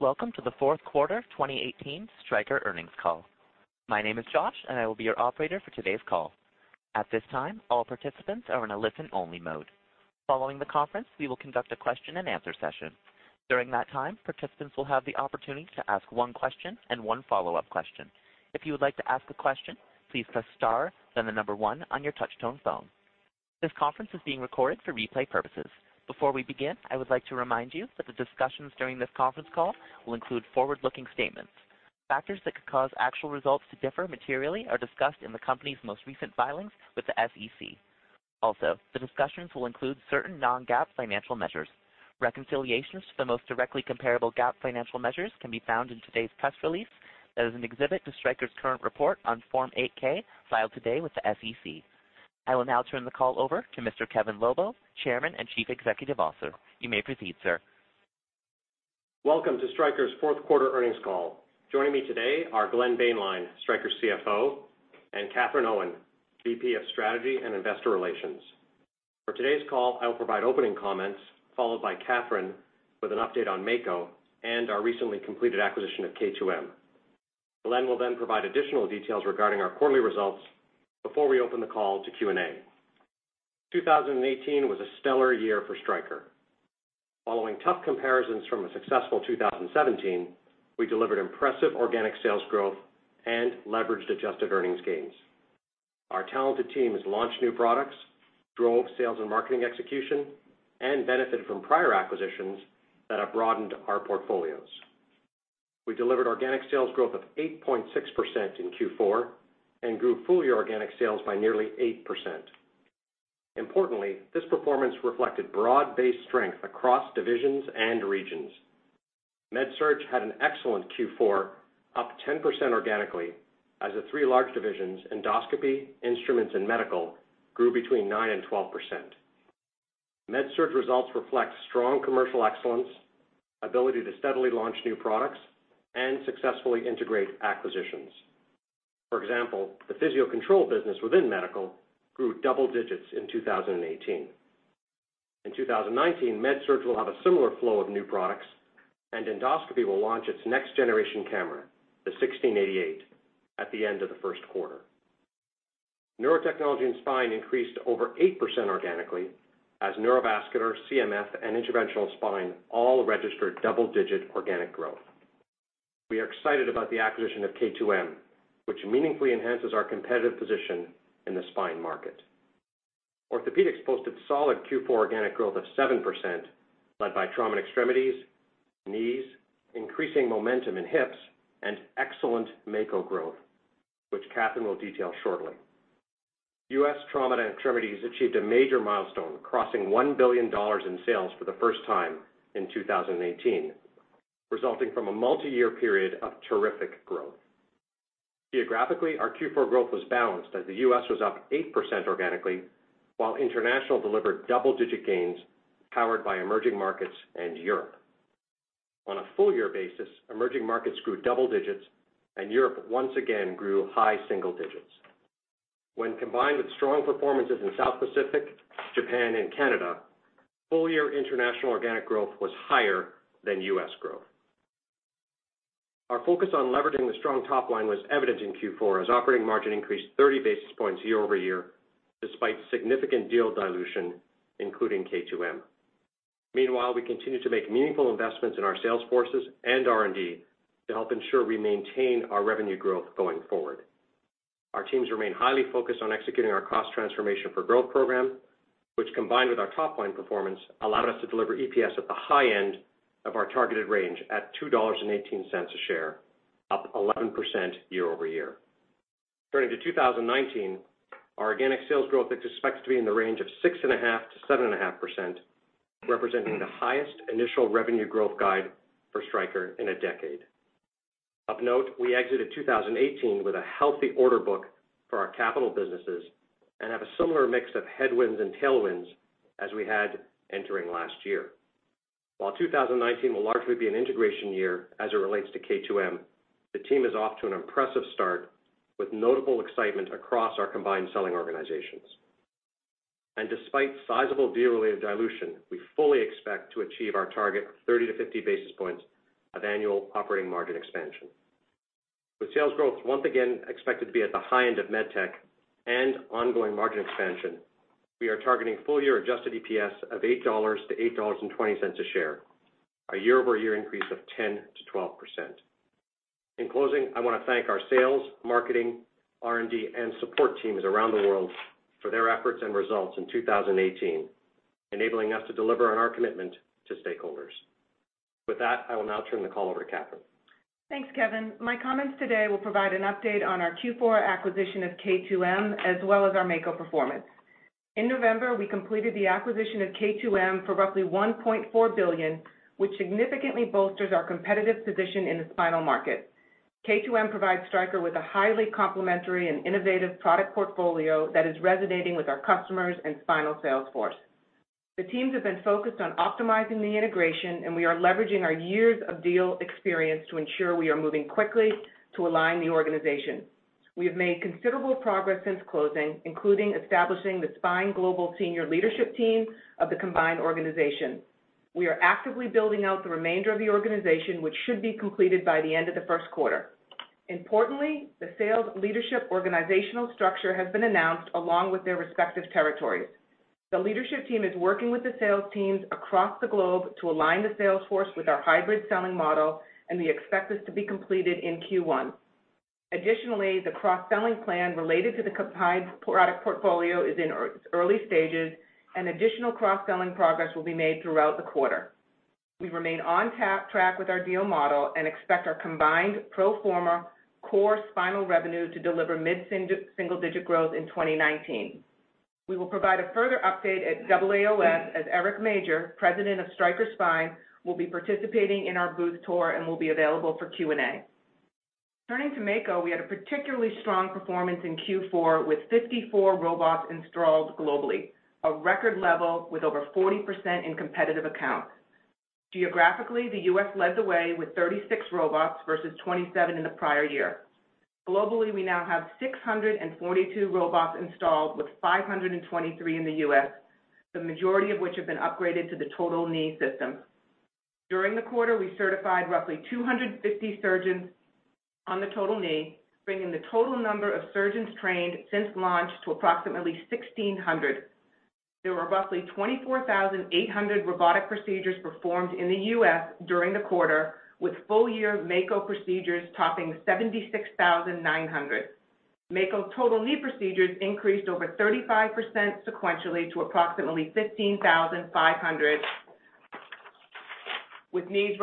Welcome to the fourth quarter 2018 Stryker earnings call. My name is Josh, and I will be your operator for today's call. At this time, all participants are in a listen-only mode. Following the conference, we will conduct a question and answer session. During that time, participants will have the opportunity to ask one question and one follow-up question. If you would like to ask a question, please press star, then the number one on your touch-tone phone. This conference is being recorded for replay purposes. Before we begin, I would like to remind you that the discussions during this conference call will include forward-looking statements. Factors that could cause actual results to differ materially are discussed in the company's most recent filings with the SEC. Also, the discussions will include certain non-GAAP financial measures. Reconciliations to the most directly comparable GAAP financial measures can be found in today's press release that is an exhibit to Stryker's current report on Form 8-K filed today with the SEC. I will now turn the call over to Mr. Kevin Lobo, Chairman and Chief Executive Officer. You may proceed, sir. Welcome to Stryker's fourth quarter earnings call. Joining me today are Glenn Boehnlein, Stryker's CFO, and Katherine Owen, VP of Strategy and Investor Relations. For today's call, I will provide opening comments, followed by Katherine with an update on Mako and our recently completed acquisition of K2M. Glenn will then provide additional details regarding our quarterly results before we open the call to Q&A. 2018 was a stellar year for Stryker. Following tough comparisons from a successful 2017, we delivered impressive organic sales growth and leveraged adjusted earnings gains. Our talented team has launched new products, drove sales and marketing execution, and benefited from prior acquisitions that have broadened our portfolios. We delivered organic sales growth of 8.6% in Q4 and grew full-year organic sales by nearly 8%. Importantly, this performance reflected broad-based strength across divisions and regions. MedSurg had an excellent Q4, up 10% organically, as the three large divisions, Endoscopy, Instruments, and Medical, grew between 9% and 12%. MedSurg results reflect strong commercial excellence, ability to steadily launch new products, and successfully integrate acquisitions. For example, the Physio-Control business within Medical grew double digits in 2018. In 2019, MedSurg will have a similar flow of new products, and Endoscopy will launch its next-generation camera, the 1688 camera, at the end of the first quarter. Neurotechnology and Spine increased over 8% organically as Neurovascular, CMF, and Interventional Spine all registered double-digit organic growth. We are excited about the acquisition of K2M, which meaningfully enhances our competitive position in the spine market. Orthopaedics posted solid Q4 organic growth of 7%, led by Trauma & Extremities, Knees, increasing momentum in Hips, and excellent Mako growth, which Katherine will detail shortly. U.S. Trauma & Extremities achieved a major milestone, crossing $1 billion in sales for the first time in 2018, resulting from a multi-year period of terrific growth. Geographically, our Q4 growth was balanced as the U.S. was up 8% organically, while International delivered double-digit gains powered by emerging markets and Europe. On a full-year basis, emerging markets grew double digits, and Europe once again grew high single digits. When combined with strong performances in South Pacific, Japan, and Canada, full-year international organic growth was higher than U.S. growth. Our focus on leveraging the strong top line was evident in Q4 as operating margin increased 30 basis points year over year despite significant deal dilution, including K2M. Meanwhile, we continue to make meaningful investments in our sales forces and R&D to help ensure we maintain our revenue growth going forward. Our teams remain highly focused on executing our Cost Transformation for Growth program, which combined with our top-line performance, allowed us to deliver EPS at the high end of our targeted range at $2.18 a share, up 11% year over year. Turning to 2019, our organic sales growth is expected to be in the range of 6.5%-7.5%, representing the highest initial revenue growth guide for Stryker in a decade. Of note, we exited 2018 with a healthy order book for our capital businesses and have a similar mix of headwinds and tailwinds as we had entering last year. While 2019 will largely be an integration year as it relates to K2M, the team is off to an impressive start with notable excitement across our combined selling organizations. Despite sizable deal-related dilution, we fully expect to achieve our target of 30 basis points to 50 basis points of annual operating margin expansion. With sales growth once again expected to be at the high end of medtech and ongoing margin expansion, we are targeting full-year adjusted EPS of $8-$8.20 a share, a year-over-year increase of 10%-12%. In closing, I want to thank our sales, marketing, R&D, and support teams around the world for their efforts and results in 2018, enabling us to deliver on our commitment to stakeholders. With that, I will now turn the call over to Katherine. Thanks, Kevin. My comments today will provide an update on our Q4 acquisition of K2M, as well as our Mako performance. In November, we completed the acquisition of K2M for roughly $1.4 billion, which significantly bolsters our competitive position in the spinal market. K2M provides Stryker with a highly complementary and innovative product portfolio that is resonating with our customers and spinal sales force. The teams have been focused on optimizing the integration, we are leveraging our years of deal experience to ensure we are moving quickly to align the organization. We have made considerable progress since closing, including establishing the spine global senior leadership team of the combined organization. We are actively building out the remainder of the organization, which should be completed by the end of the first quarter. Importantly, the sales leadership organizational structure has been announced along with their respective territories. The leadership team is working with the sales teams across the globe to align the sales force with our hybrid selling model, and we expect this to be completed in Q1. Additionally, the cross-selling plan related to the combined product portfolio is in its early stages, and additional cross-selling progress will be made throughout the quarter. We remain on track with our deal model and expect our combined pro forma core spinal revenue to deliver mid-single-digit growth in 2019. We will provide a further update at AAOS as Eric Major, President of Stryker Spine, will be participating in our booth tour and will be available for Q&A. Turning to Mako, we had a particularly strong performance in Q4 with 54 robots installed globally, a record level with over 40% in competitive accounts. Geographically, the U.S. leads the way with 36 robots versus 27 robots in the prior year. Globally, we now have 642 robots installed, with 523 robots in the U.S., the majority of which have been upgraded to the Total Knee System. During the quarter, we certified roughly 250 surgeons on the Total Knee, bringing the total number of surgeons trained since launch to approximately 1,600 surgeons. There were roughly 24,800 robotic procedures performed in the U.S. during the quarter, with full-year Mako procedures topping 76,900 procedures. Mako Total Knee procedures increased over 35% sequentially to approximately 15,500 procedures, with knees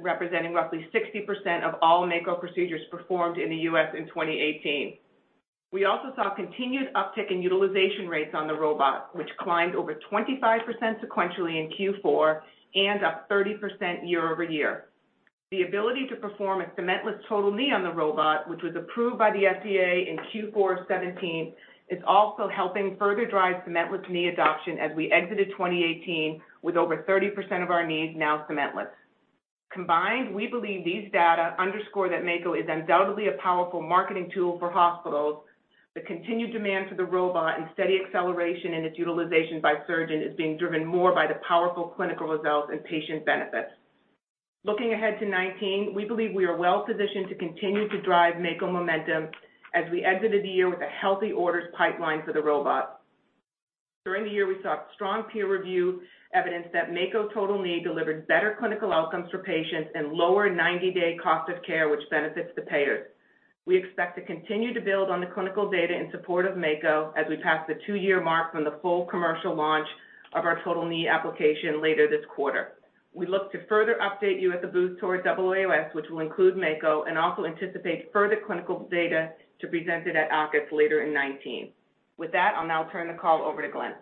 representing roughly 60% of all Mako procedures performed in the U.S. in 2018. We also saw continued uptick in utilization rates on the robot, which climbed over 25% sequentially in Q4 and up 30% year-over-year. The ability to perform a cementless total knee on the robot, which was approved by the FDA in Q4 2017, is also helping further drive cementless knee adoption as we exited 2018 with over 30% of our knees now cementless. Combined, we believe these data underscore that Mako is undoubtedly a powerful marketing tool for hospitals. The continued demand for the robot and steady acceleration in its utilization by surgeons is being driven more by the powerful clinical results and patient benefits. Looking ahead to 2019, we believe we are well-positioned to continue to drive Mako momentum as we exited the year with a healthy orders pipeline for the robot. During the year, we saw strong peer review evidence that Mako Total Knee delivered better clinical outcomes for patients and lower 90-day cost of care, which benefits the payer. We expect to continue to build on the clinical data in support of Mako as we pass the two-year mark from the full commercial launch of our Total Knee application later this quarter. We look to further update you at the booth tour at AAOS, which will include Mako, and also anticipate further clinical data to be presented at AAOS later in 2019. With that, I'll now turn the call over to Glenn.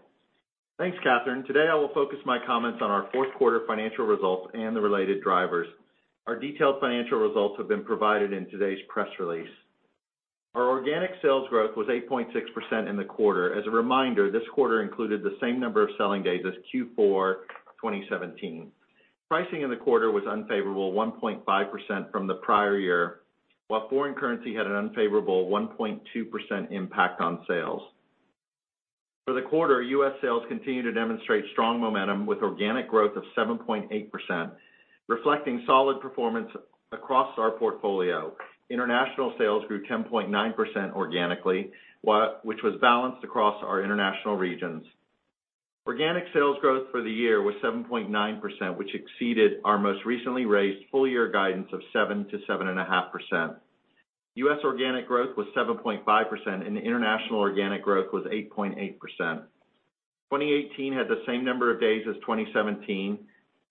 Thanks, Katherin. Today, I will focus my comments on our fourth quarter financial results and the related drivers. Our detailed financial results have been provided in today's press release. Our organic sales growth was 8.6% in the quarter. As a reminder, this quarter included the same number of selling days as Q4 2017. Pricing in the quarter was unfavorable, 1.5% from the prior year, while foreign currency had an unfavorable 1.2% impact on sales. For the quarter, U.S. sales continued to demonstrate strong momentum with organic growth of 7.8%, reflecting solid performance across our portfolio. International sales grew 10.9% organically, which was balanced across our international regions. Organic sales growth for the year was 7.9%, which exceeded our most recently raised full-year guidance of 7%-7.5%. U.S. organic growth was 7.5%, and the international organic growth was 8.8%. 2018 had the same number as 2017,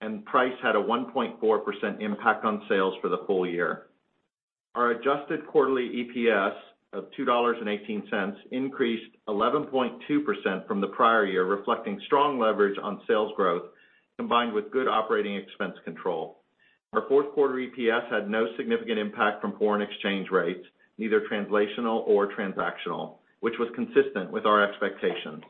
and price had a 1.4% impact on sales for the full year. Our adjusted quarterly EPS of $2.18 increased 11.2% from the prior year, reflecting strong leverage on sales growth, combined with good operating expense control. Our fourth quarter EPS had no significant impact from foreign exchange rates, neither translational or transactional, which was consistent with our expectations.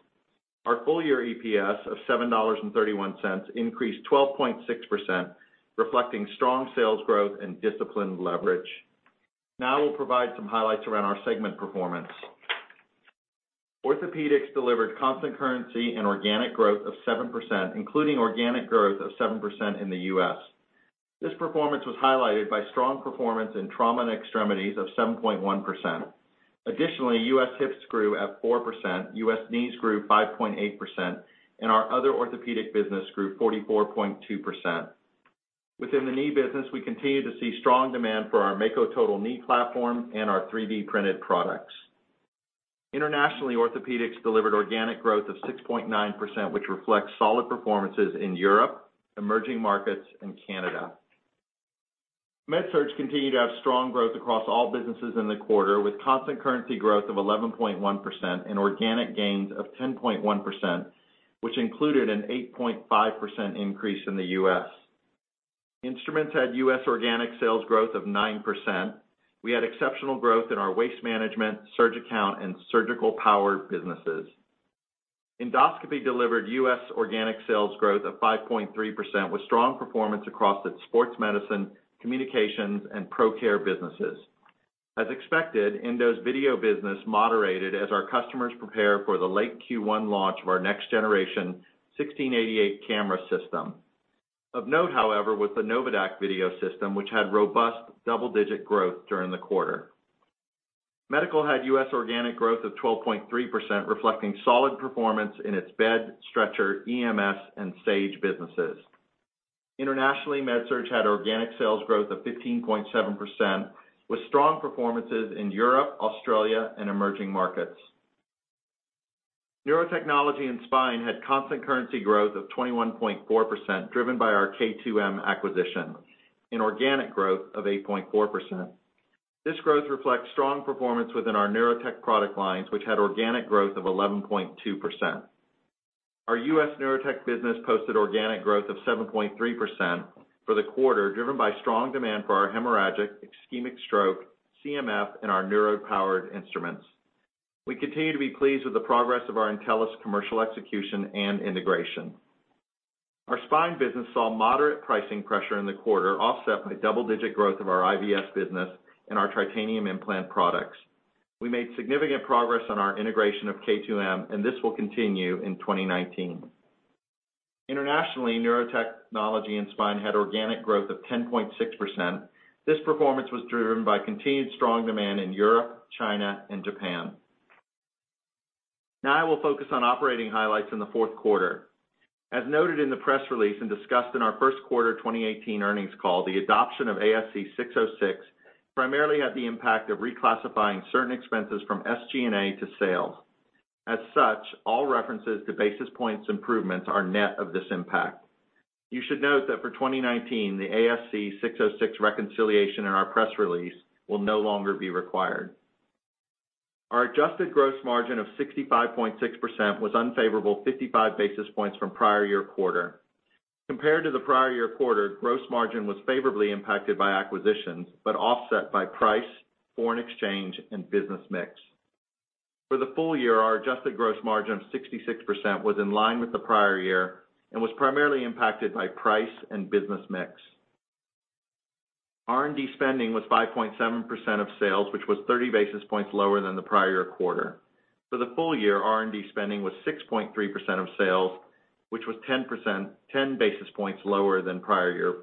Our full-year EPS of $7.31 increased 12.6%, reflecting strong sales growth and disciplined leverage. We'll provide some highlights around our segment performance. Orthopaedics delivered constant currency and organic growth of 7%, including organic growth of 7% in the U.S. This performance was highlighted by strong performance in Trauma & Extremities of 7.1%. Additionally, U.S. hips grew at 4%, U.S. knees grew 5.8%, and our other orthopedic business grew 44.2%. Within the knee business, we continue to see strong demand for our Mako Total Knee platform and our 3D-printed products. Internationally, Orthopaedics delivered organic growth of 6.9%, which reflects solid performances in Europe, emerging markets, and Canada. MedSurg continued to have strong growth across all businesses in the quarter, with constant currency growth of 11.1% and organic gains of 10.1%, which included an 8.5% increase in the U.S. Instruments had U.S. organic sales growth of 9%. We had exceptional growth in our waste management, SurgiCount, and surgical power businesses. Endoscopy delivered U.S. organic sales growth of 5.3%, with strong performance across its sports medicine, communications, and ProCare businesses. As expected, Endo's video business moderated as our customers prepare for the late Q1 launch of our next generation 1688 camera system. Of note, however, was the NOVADAQ video system, which had robust double-digit growth during the quarter. Medical had U.S. organic growth of 12.3%, reflecting solid performance in its bed, stretcher, EMS, and Sage businesses. Internationally, MedSurg had organic sales growth of 15.7%, with strong performances in Europe, Australia, and emerging markets. Neurotechnology and spine had constant currency growth of 21.4%, driven by our K2M acquisition, an organic growth of 8.4%. This growth reflects strong performance within our neurotech product lines, which had organic growth of 11.2%. Our U.S. neurotech business posted organic growth of 7.3% for the quarter, driven by strong demand for our hemorrhagic ischemic stroke, CMF, and our neuro-powered instruments. We continue to be pleased with the progress of our Entellus commercial execution and integration. Our spine business saw moderate pricing pressure in the quarter, offset by double-digit growth of our IVS business and our titanium implant products. We made significant progress on our integration of K2M, and this will continue in 2019. Internationally, Neurotechnology and Spine had organic growth of 10.6%. This performance was driven by continued strong demand in Europe, China, and Japan. I will focus on operating highlights in the fourth quarter. As noted in the press release and discussed in our first quarter 2018 earnings call, the adoption of ASC 606 primarily had the impact of reclassifying certain expenses from SG&A to sales. All references to basis points improvements are net of this impact. You should note that for 2019, the ASC 606 reconciliation in our press release will no longer be required. Our adjusted gross margin of 65.6% was unfavorable 55 basis points from prior year quarter. Compared to the prior year quarter, gross margin was favorably impacted by acquisitions, offset by price, foreign exchange, and business mix. For the full year, our adjusted gross margin of 66% was in line with the prior year, was primarily impacted by price and business mix. R&D spending was 5.7% of sales, which was 30 basis points lower than the prior year quarter. For the full year, R&D spending was 6.3% of sales, which was 10 basis points lower than prior year.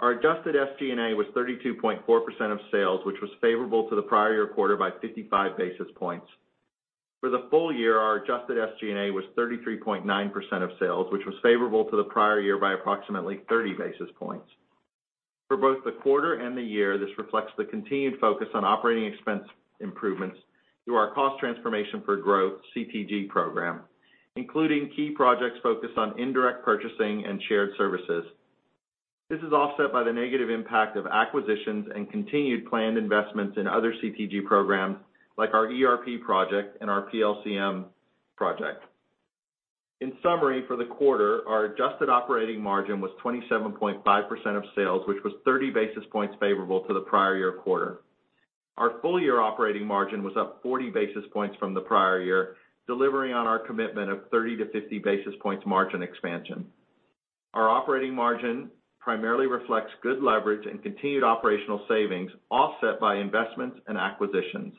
Our adjusted SG&A was 32.4% of sales, which was favorable to the prior year quarter by 55 basis points. For the full year, our adjusted SG&A was 33.9% of sales, which was favorable to the prior year by approximately 30 basis points. For both the quarter and the year, this reflects the continued focus on operating expense improvements through our Cost Transformation for Growth, CTG program, including key projects focused on indirect purchasing and shared services. This is offset by the negative impact of acquisitions and continued planned investments in other CTG programs, like our ERP project and our PLCM project. For the quarter, our adjusted operating margin was 27.5% of sales, which was 30 basis points favorable to the prior year quarter. Our full-year operating margin was up 40 basis points from the prior year, delivering on our commitment of 30 basis points-50 basis points margin expansion. Our operating margin primarily reflects good leverage and continued operational savings, offset by investments and acquisitions,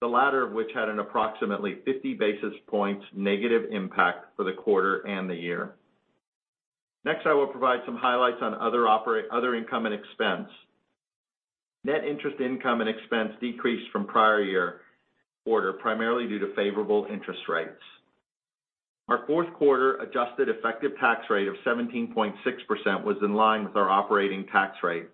the latter of which had an approximately 50 basis points negative impact for the quarter and the year. I will provide some highlights on other income and expense. Net interest income and expense decreased from prior year quarter, primarily due to favorable interest rates. Our fourth quarter adjusted effective tax rate of 17.6% was in line with our operating tax rate.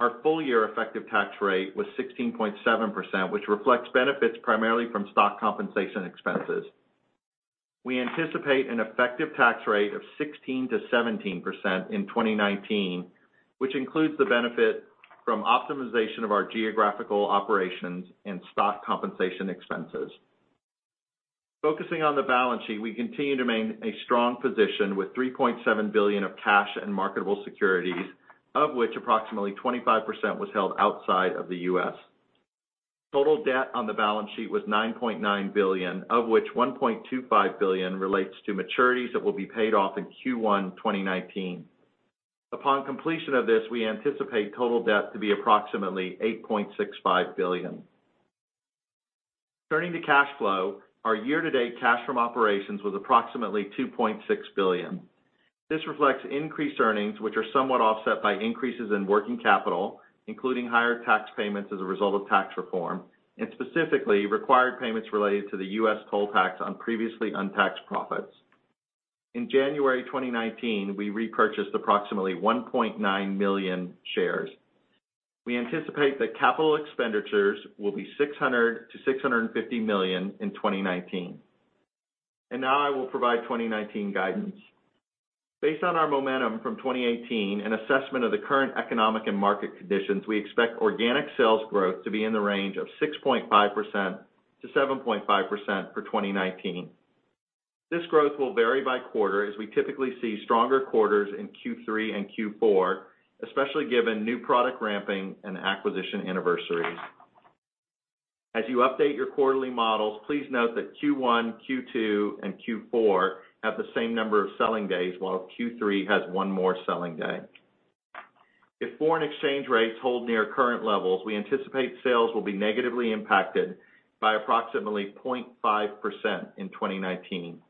Our full-year effective tax rate was 16.7%, which reflects benefits primarily from stock compensation expenses. We anticipate an effective tax rate of 16%-17% in 2019, which includes the benefit from optimization of our geographical operations and stock compensation expenses. Focusing on the balance sheet, we continue to maintain a strong position with $3.7 billion of cash and marketable securities, of which approximately 25% was held outside of the U.S. Total debt on the balance sheet was $9.9 billion, of which $1.25 billion relates to maturities that will be paid off in Q1 2019. Upon completion of this, we anticipate total debt to be approximately $8.65 billion. Turning to cash flow, our year-to-date cash from operations was approximately $2.6 billion. This reflects increased earnings, which are somewhat offset by increases in working capital, including higher tax payments as a result of tax reform, and specifically, required payments related to the U.S. toll tax on previously untaxed profits. In January 2019, we repurchased approximately 1.9 million shares. We anticipate that capital expenditures will be $600 million-$650 million in 2019. Now I will provide 2019 guidance. Based on our momentum from 2018 and assessment of the current economic and market conditions, we expect organic sales growth to be in the range of 6.5%-7.5% for 2019. This growth will vary by quarter as we typically see stronger quarters in Q3 and Q4, especially given new product ramping and acquisition anniversaries. As you update your quarterly models, please note that Q1, Q2, and Q4 have the same number of selling days, while Q3 has one more selling day. If foreign exchange rates hold near current levels, we anticipate sales will be negatively impacted by approximately 0.5% in 2019,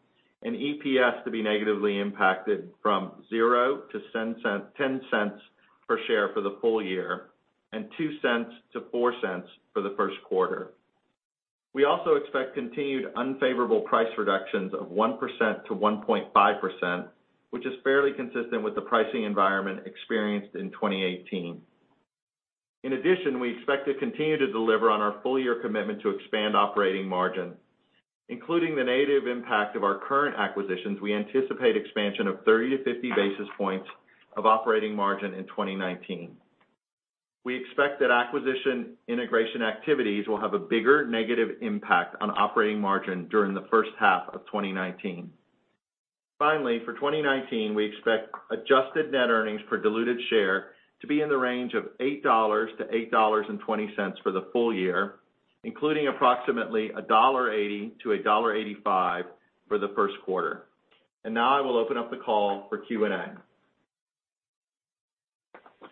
and EPS to be negatively impacted from $0.00-$0.10 per share for the full year, and $0.02-$0.04 for the first quarter. We also expect continued unfavorable price reductions of 1%-1.5%, which is fairly consistent with the pricing environment experienced in 2018. In addition, we expect to continue to deliver on our full-year commitment to expand operating margin. Including the negative impact of our current acquisitions, we anticipate expansion of 30 basis points-50 basis points of operating margin in 2019. We expect that acquisition integration activities will have a bigger negative impact on operating margin during the first half of 2019. Finally, for 2019, we expect adjusted net earnings per diluted share to be in the range of $8.00-$8.20 for the full year, including approximately $1.80-$1.85 for the first quarter. Now I will open up the call for Q&A.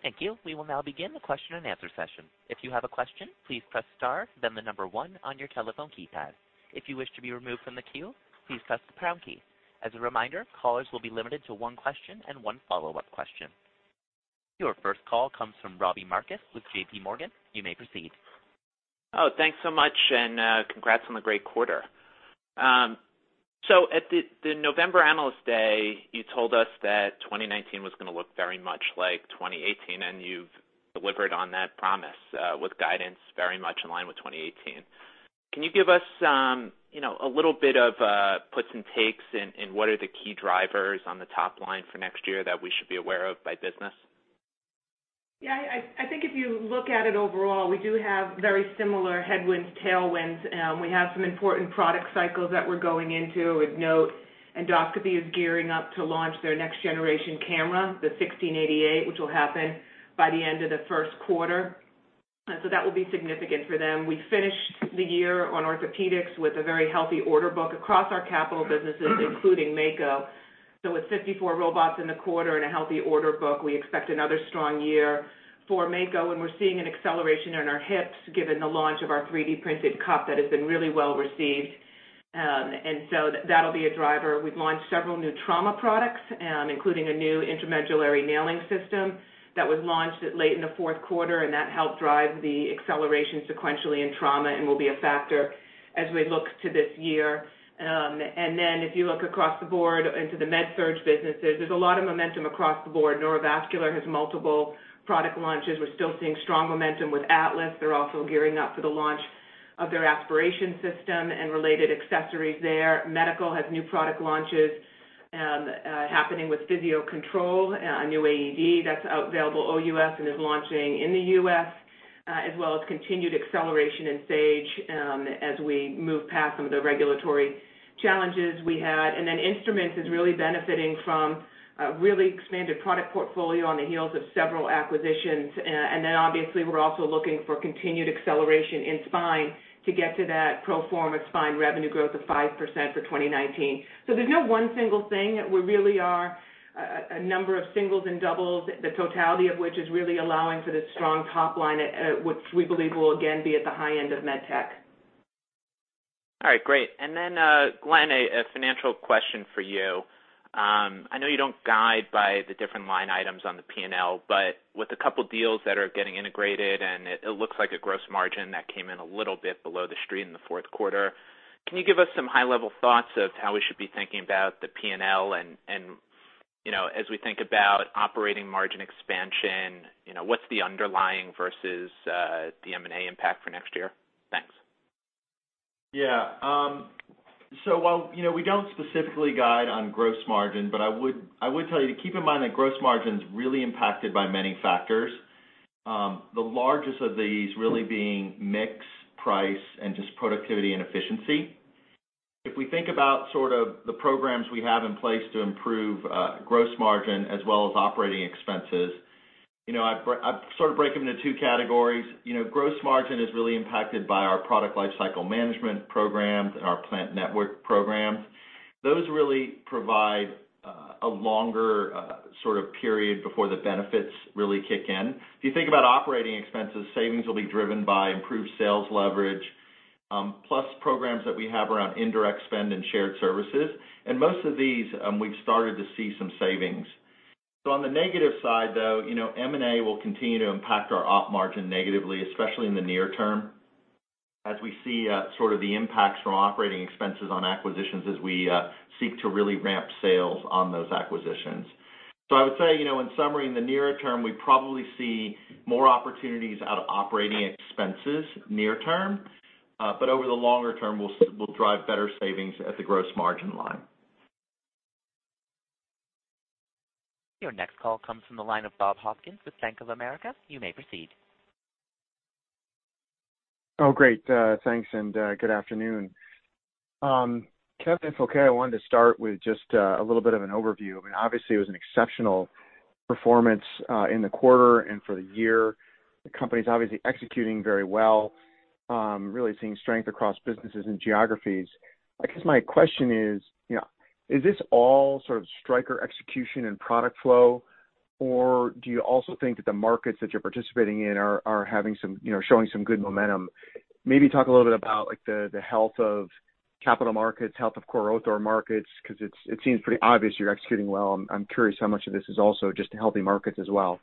Thank you. We will now begin the question and answer session. If you have a question, please press star, then number one on your telephone keypad. If you wish to be removed from the queue, please press the pound key. As a reminder, callers will be limited to one question and one follow-up question. Your first call comes from Robbie Marcus with JPMorgan. You may proceed. Oh, thanks so much, and congrats on the great quarter. At the November Analyst Day, you told us that 2019 was going to look very much like 2018, and you've delivered on that promise with guidance very much in line with 2018. Can you give us a little bit of puts and takes in what are the key drivers on the top line for next year that we should be aware of by business? Yeah. I think if you look at it overall, we do have very similar headwinds, tailwinds. We have some important product cycles that we're going into. Of note, Endoscopy is gearing up to launch their next generation camera, the 1688 camera, which will happen by the end of the first quarter. That will be significant for them. We finished the year on Orthopaedics with a very healthy order book across our capital businesses, including Mako. With 54 robots in the quarter and a healthy order book, we expect another strong year for Mako, and we're seeing an acceleration in our hips, given the launch of our 3D-printed cup that has been really well-received. That'll be a driver. We've launched several new trauma products, including a new intramedullary nailing system that was launched late in the fourth quarter, and that helped drive the acceleration sequentially in trauma and will be a factor as we look to this year. If you look across the board into the MedSurg businesses, there's a lot of momentum across the board. Neurovascular has multiple product launches. We're still seeing strong momentum with Atlas. They're also gearing up for the launch of their aspiration system and related accessories there. Medical has new product launches happening with Physio-Control, a new AED that's available OUS and is launching in the U.S., as well as continued acceleration in Sage as we move past some of the regulatory challenges we had. Instruments is really benefiting from a really expanded product portfolio on the heels of several acquisitions. Obviously, we're also looking for continued acceleration in Spine to get to that pro forma Spine revenue growth of 5% for 2019. There's no one single thing. We really are a number of singles and doubles, the totality of which is really allowing for this strong top line, which we believe will again be at the high end of med tech. Glenn, a financial question for you. I know you don't guide by the different line items on the P&L. With a couple deals that are getting integrated, and it looks like a gross margin that came in a little bit below the street in the fourth quarter, can you give us some high-level thoughts of how we should be thinking about the P&L and as we think about operating margin expansion, what's the underlying versus the M&A impact for next year? Thanks. While we don't specifically guide on gross margin, I would tell you to keep in mind that gross margin is really impacted by many factors. The largest of these really being mix, price, and just productivity and efficiency. If we think about sort of the programs we have in place to improve gross margin as well as operating expenses, I sort of break them into two categories. Gross margin is really impacted by our Product Life Cycle Management programs and our plant network programs. Those really provide a longer sort of period before the benefits really kick in. If you think about operating expenses, savings will be driven by improved sales leverage, plus programs that we have around indirect spend and shared services. Most of these, we've started to see some savings. On the negative side, though, M&A will continue to impact our op margin negatively, especially in the near term, as we see sort of the impacts from operating expenses on acquisitions as we seek to really ramp sales on those acquisitions. I would say, in summary, in the nearer term, we probably see more opportunities out of operating expenses near term. Over the longer term, we'll drive better savings at the gross margin line. Your next call comes from the line of Bob Hopkins with Bank of America. You may proceed. Oh, great. Thanks, and good afternoon. Kevin and if it's okay, I wanted to start with just a little bit of an overview. Obviously, it was an exceptional performance in the quarter and for the year. The company's obviously executing very well, really seeing strength across businesses and geographies. I guess my question is: Is this all sort of Stryker execution and product flow, or do you also think that the markets that you're participating in are showing some good momentum? Maybe talk a little bit about the health of capital markets, health of core ortho markets, because it seems pretty obvious you're executing well. I'm curious how much of this is also just healthy markets as well.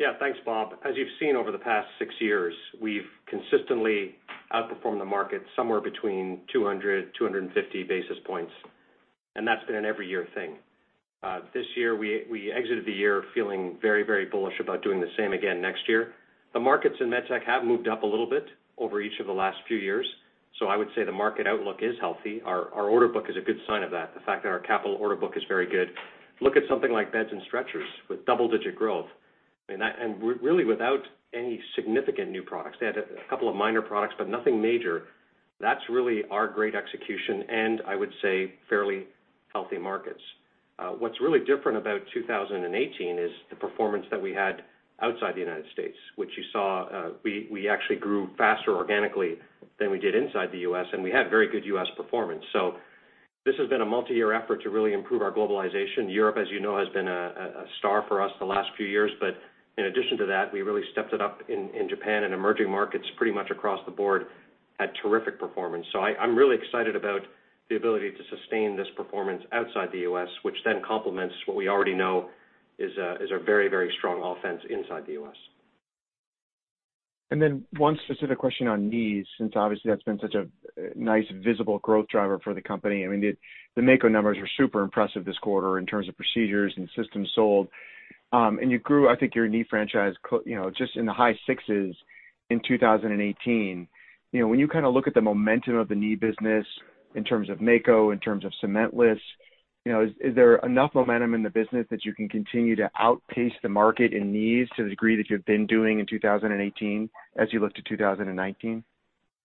Yeah, thanks, Bob. As you've seen over the past six years, we've consistently outperformed the market somewhere between 200 basis points, 250 basis points. That's been an every year thing. This year, we exited the year feeling very bullish about doing the same again next year. The markets in MedTech have moved up a little bit over each of the last few years, so I would say the market outlook is healthy. Our order book is a good sign of that, the fact that our capital order book is very good. Look at something like beds and stretchers with double-digit growth, and really without any significant new products. They had a couple of minor products, but nothing major. That's really our great execution and I would say fairly healthy markets. What's really different about 2018 is the performance that we had outside the United States, which you saw we actually grew faster organically than we did inside the U.S. We had very good U.S. performance. This has been a multi-year effort to really improve our globalization. Europe, as you know, has been a star for us the last few years, but in addition to that, we really stepped it up in Japan and emerging markets pretty much across the board, had terrific performance. I'm really excited about the ability to sustain this performance outside the U.S., which complements what we already know is our very strong offense inside the U.S. One specific question on knees, since obviously that's been such a nice visible growth driver for the company. The Mako numbers were super impressive this quarter in terms of procedures and systems sold. You grew, I think, your knee franchise just in the high sixes in 2018. When you kind of look at the momentum of the knee business in terms of Mako, in terms of cement-less, is there enough momentum in the business that you can continue to outpace the market in knees to the degree that you've been doing in 2018 as you look to 2019?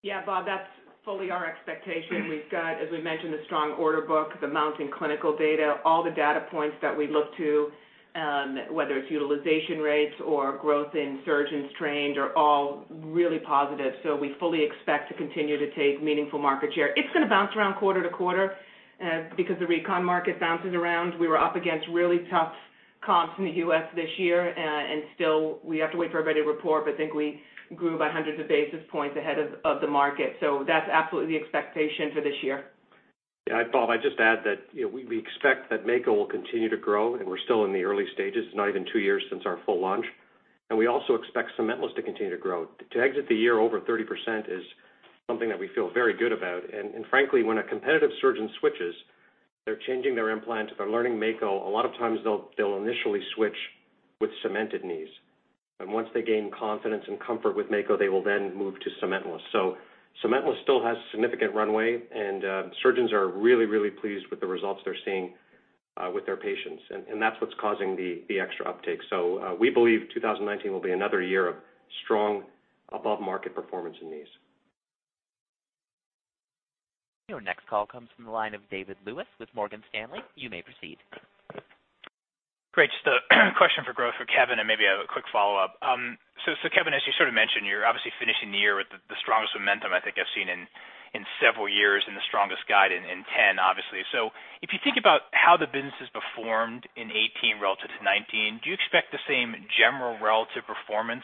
Yeah, Bob, that's fully our expectation. We've got, as we mentioned, a strong order book, the mounting clinical data, all the data points that we look to, whether it's utilization rates or growth in surgeons trained, are all really positive. We fully expect to continue to take meaningful market share. It's going to bounce around quarter to quarter because the recon market bounces around. We were up against really tough comps in the U.S. this year, still we have to wait for everybody to report, but I think we grew by 100 basis points ahead of the market. That's absolutely the expectation for this year. Yeah. Bob, I'd just add that we expect that Mako will continue to grow, and we're still in the early stages. It's not even two years since our full launch. We also expect cement-less to continue to grow. To exit the year over 30% is something that we feel very good about. Frankly, when a competitive surgeon switches, they're changing their implant. If they're learning Mako, a lot of times they'll initially switch with cemented knees. Once they gain confidence and comfort with Mako, they will then move to cement-less. Cement-less still has significant runway, and surgeons are really pleased with the results they're seeing with their patients, and that's what's causing the extra uptake. We believe 2019 will be another year of strong above-market performance in these. Your next call comes from the line of David Lewis with Morgan Stanley. You may proceed. Great. Just a question for growth for Kevin and maybe a quick follow-up. Kevin, as you sort of mentioned, you're obviously finishing the year with the strongest momentum I think I've seen in several years and the strongest guide in 10, obviously. If you think about how the business has performed in 2018 relative to 2019, do you expect the same general relative performance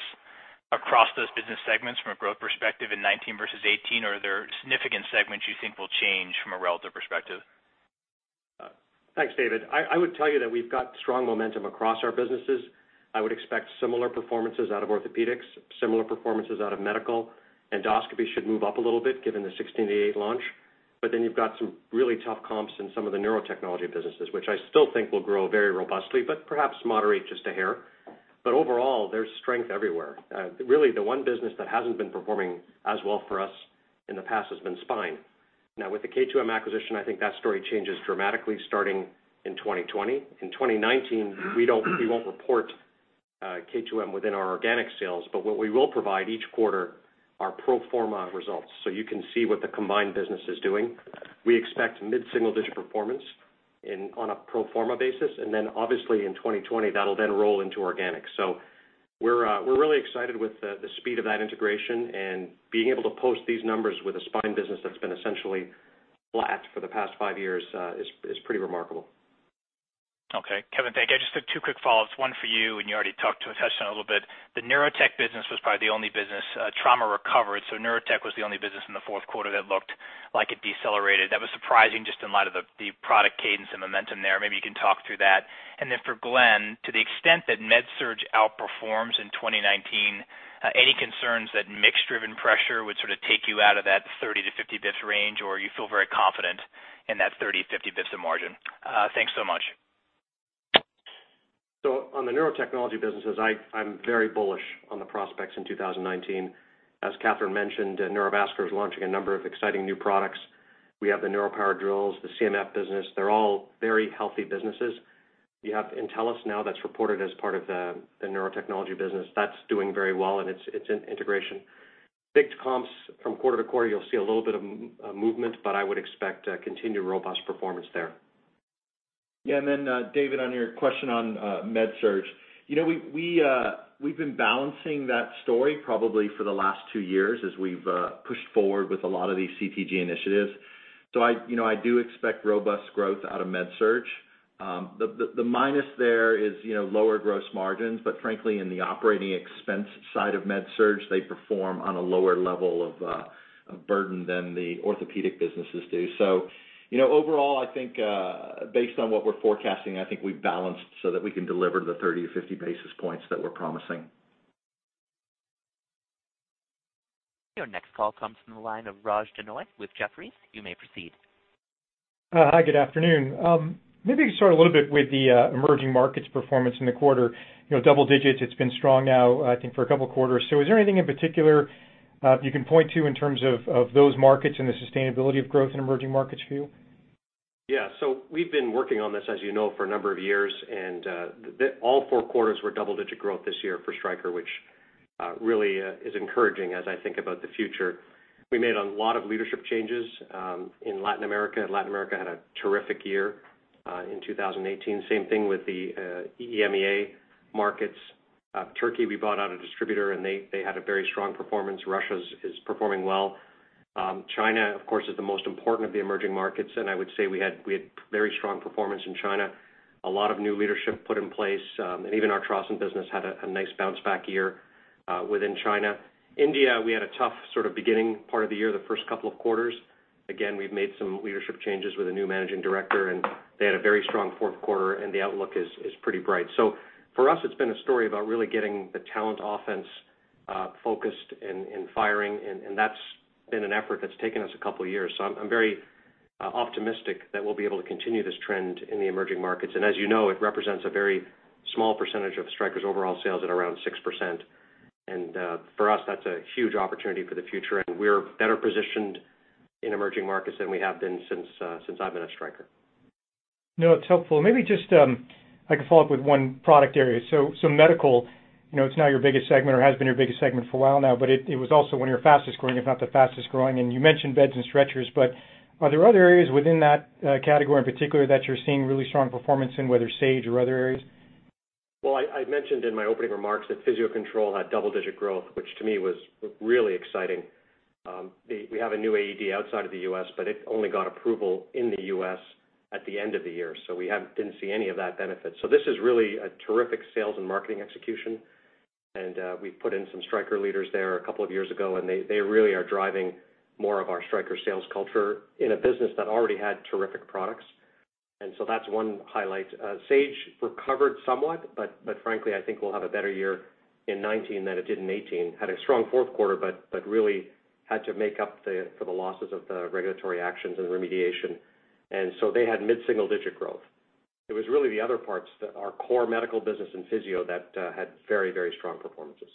across those business segments from a growth perspective in 2019 versus 2018? Or are there significant segments you think will change from a relative perspective? Thanks, David. I would tell you that we've got strong momentum across our businesses. I would expect similar performances out of Orthopaedics, similar performances out of Medical. Endoscopy should move up a little bit given the 1688 camera launch. You've got some really tough comps in some of the Neurotechnology businesses, which I still think will grow very robustly, but perhaps moderate just a hair. Overall, there's strength everywhere. Really, the one business that hasn't been performing as well for us in the past has been spine. Now, with the K2M acquisition, I think that story changes dramatically starting in 2020. In 2019, we won't report K2M within our organic sales, but what we will provide each quarter are pro forma results so you can see what the combined business is doing. We expect mid-single-digit performance on a pro forma basis. Obviously in 2020, that'll then roll into organic. We're really excited with the speed of that integration and being able to post these numbers with a spine business that's been essentially flat for the past five years is pretty remarkable. Okay. Kevin, thank you. I just have two quick follow-ups, one for you, and you already talked to it, touched on it a little bit. The Neurotech business was probably the only business Trauma recovered. Neurotech was the only business in the fourth quarter that looked like it decelerated. That was surprising just in light of the product cadence and momentum there. Maybe you can talk through that. For Glenn, to the extent that MedSurg outperforms in 2019, any concerns that mix-driven pressure would sort of take you out of that 30 basis points-50 basis points range, or you feel very confident in that 30, 50 basis points of margin? Thanks so much. On the Neurotechnology businesses, I'm very bullish on the prospects in 2019. As Katherine mentioned, Neurovascular is launching a number of exciting new products. We have the NeuroPower drills, the CMF business. They're all very healthy businesses. You have Entellus now that's reported as part of the Neurotechnology business. That's doing very well, and it's in integration. Big comps from quarter to quarter, you'll see a little bit of movement, but I would expect continued robust performance there. David, on your question on MedSurg. We've been balancing that story probably for the last two years as we've pushed forward with a lot of these CTG initiatives. I do expect robust growth out of MedSurg. The minus there is lower gross margins, but frankly, in the operating expense side of MedSurg, they perform on a lower level of burden than the Orthopaedic businesses do. Overall, I think, based on what we're forecasting, I think we've balanced so that we can deliver the 30 basis points-50 basis points that we're promising. Your next call comes from the line of Raj Denhoy with Jefferies. You may proceed. Hi, good afternoon. Maybe start a little bit with the emerging markets performance in the quarter. Double-digits, it's been strong now, I think, for a couple of quarters. Is there anything in particular you can point to in terms of those markets and the sustainability of growth in emerging markets for you? We've been working on this, as you know, for a number of years, and all four quarters were double-digit growth this year for Stryker, which really is encouraging as I think about the future. We made a lot of leadership changes in Latin America. Latin America had a terrific year in 2018. Same thing with the EMEA markets. Turkey, we bought out a distributor, and they had a very strong performance. Russia is performing well. China, of course, is the most important of the emerging markets, and I would say we had very strong performance in China. A lot of new leadership put in place, and even our Trauson business had a nice bounce-back year within China. India, we had a tough sort of beginning part of the year, the first couple of quarters. We've made some leadership changes with a new managing director, and they had a very strong fourth quarter, and the outlook is pretty bright. For us, it's been a story about really getting the talent offense focused and firing, and that's been an effort that's taken us a couple of years. I'm very optimistic that we'll be able to continue this trend in the emerging markets. As you know, it represents a very small percentage of Stryker's overall sales at around 6%. For us, that's a huge opportunity for the future, and we're better positioned in emerging markets than we have been since I've been at Stryker. No, it's helpful. Maybe just, I could follow up with one product area. Medical, it's now your biggest segment, or has been your biggest segment for a while now, but it was also one of your fastest-growing, if not the fastest-growing. You mentioned beds and stretchers, but are there other areas within that category in particular that you're seeing really strong performance in, whether Sage or other areas? Well, I mentioned in my opening remarks that Physio-Control had double-digit growth, which to me was really exciting. We have a new AED outside of the U.S., but it only got approval in the U.S. at the end of the year, so we didn't see any of that benefit. This is really a terrific sales and marketing execution, and we've put in some Stryker leaders there a couple of years ago, and they really are driving more of our Stryker sales culture in a business that already had terrific products. That's one highlight. Sage recovered somewhat, but frankly, I think we'll have a better year in 2019 than it did in 2018. Had a strong fourth quarter, but really had to make up for the losses of the regulatory actions and remediation. They had mid-single digit growth. It was really the other parts that our core Medical business and physio that had very strong performances.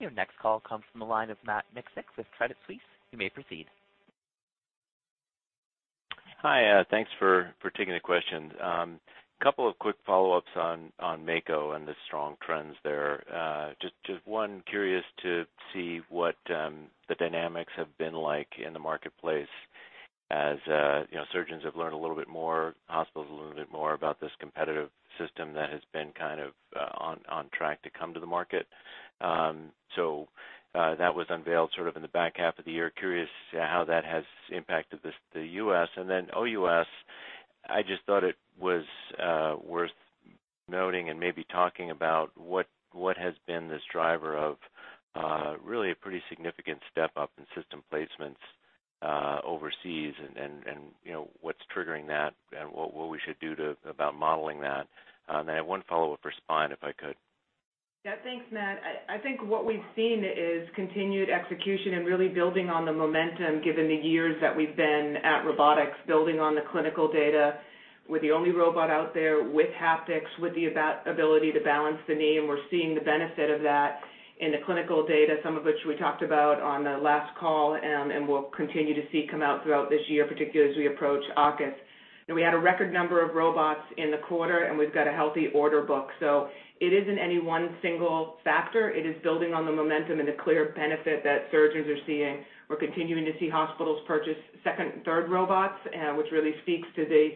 Your next call comes from the line of Matt Miksic with Credit Suisse. You may proceed. Hi, thanks for taking the questions. Couple of quick follow-ups on Mako and the strong trends there. Just one. Curious to see what the dynamics have been like in the marketplace as surgeons have learned a little bit more, hospitals a little bit more about this competitive system that has been kind of on track to come to the market. That was unveiled sort of in the back half of the year. Curious how that has impacted the U.S.? OUS, I just thought it was worth noting and maybe talking about what has been this driver of really a pretty significant step up in system placements overseas and what's triggering that and what we should do about modeling that? I have one follow-up for spine, if I could. Yeah. Thanks, Matt. I think what we've seen is continued execution and really building on the momentum, given the years that we've been at robotics, building on the clinical data. We're the only robot out there with haptics, with the ability to balance the knee, and we're seeing the benefit of that in the clinical data, some of which we talked about on the last call and we'll continue to see come out throughout this year, particularly as we approach August. We had a record number of robots in the quarter, and we've got a healthy order book. It isn't any one single factor. It is building on the momentum and the clear benefit that surgeons are seeing. We're continuing to see hospitals purchase second and third robots, which really speaks to the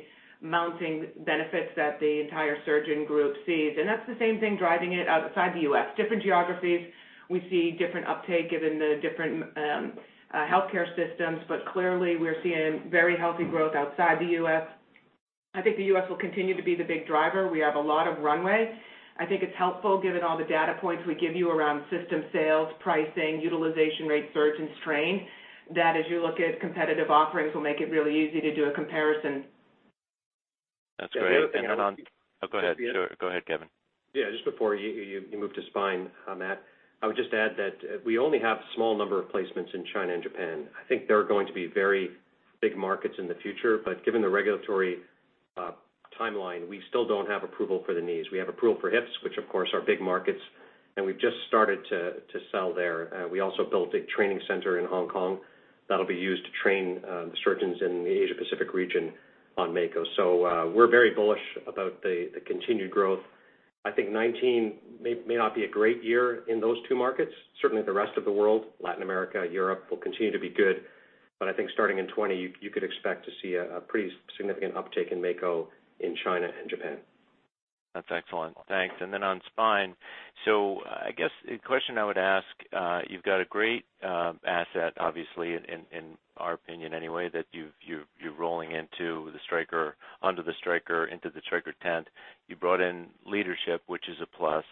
mounting benefits that the entire surgeon group sees. That's the same thing driving it outside the U.S. Different geographies, we see different uptake given the different healthcare systems. Clearly, we're seeing very healthy growth outside the U.S. I think the U.S. will continue to be the big driver. We have a lot of runway. I think it's helpful given all the data points we give you around system sales, pricing, utilization rate, surgeon strain, that as you look at competitive offerings, will make it really easy to do a comparison. That's great. The other thing Oh, go ahead. Go ahead, Kevin. Yeah. Just before you move to spine, Matt, I would just add that we only have a small number of placements in China and Japan. I think they're going to be very big markets in the future, but given the regulatory-timeline. We still don't have approval for the knees. We have approval for hips, which of course are big markets, and we've just started to sell there. We also built a training center in Hong Kong that'll be used to train the surgeons in the Asia-Pacific region on Mako. We're very bullish about the continued growth. I think 2019 may not be a great year in those two markets. Certainly, the rest of the world, Latin America, Europe, will continue to be good. I think starting in 2020, you could expect to see a pretty significant uptick in Mako in China and Japan. That's excellent. Thanks. And then on spine, I guess the question I would ask, you've got a great asset, obviously, in our opinion anyway, that you're rolling into the Stryker tent. You brought in leadership, which is a plus.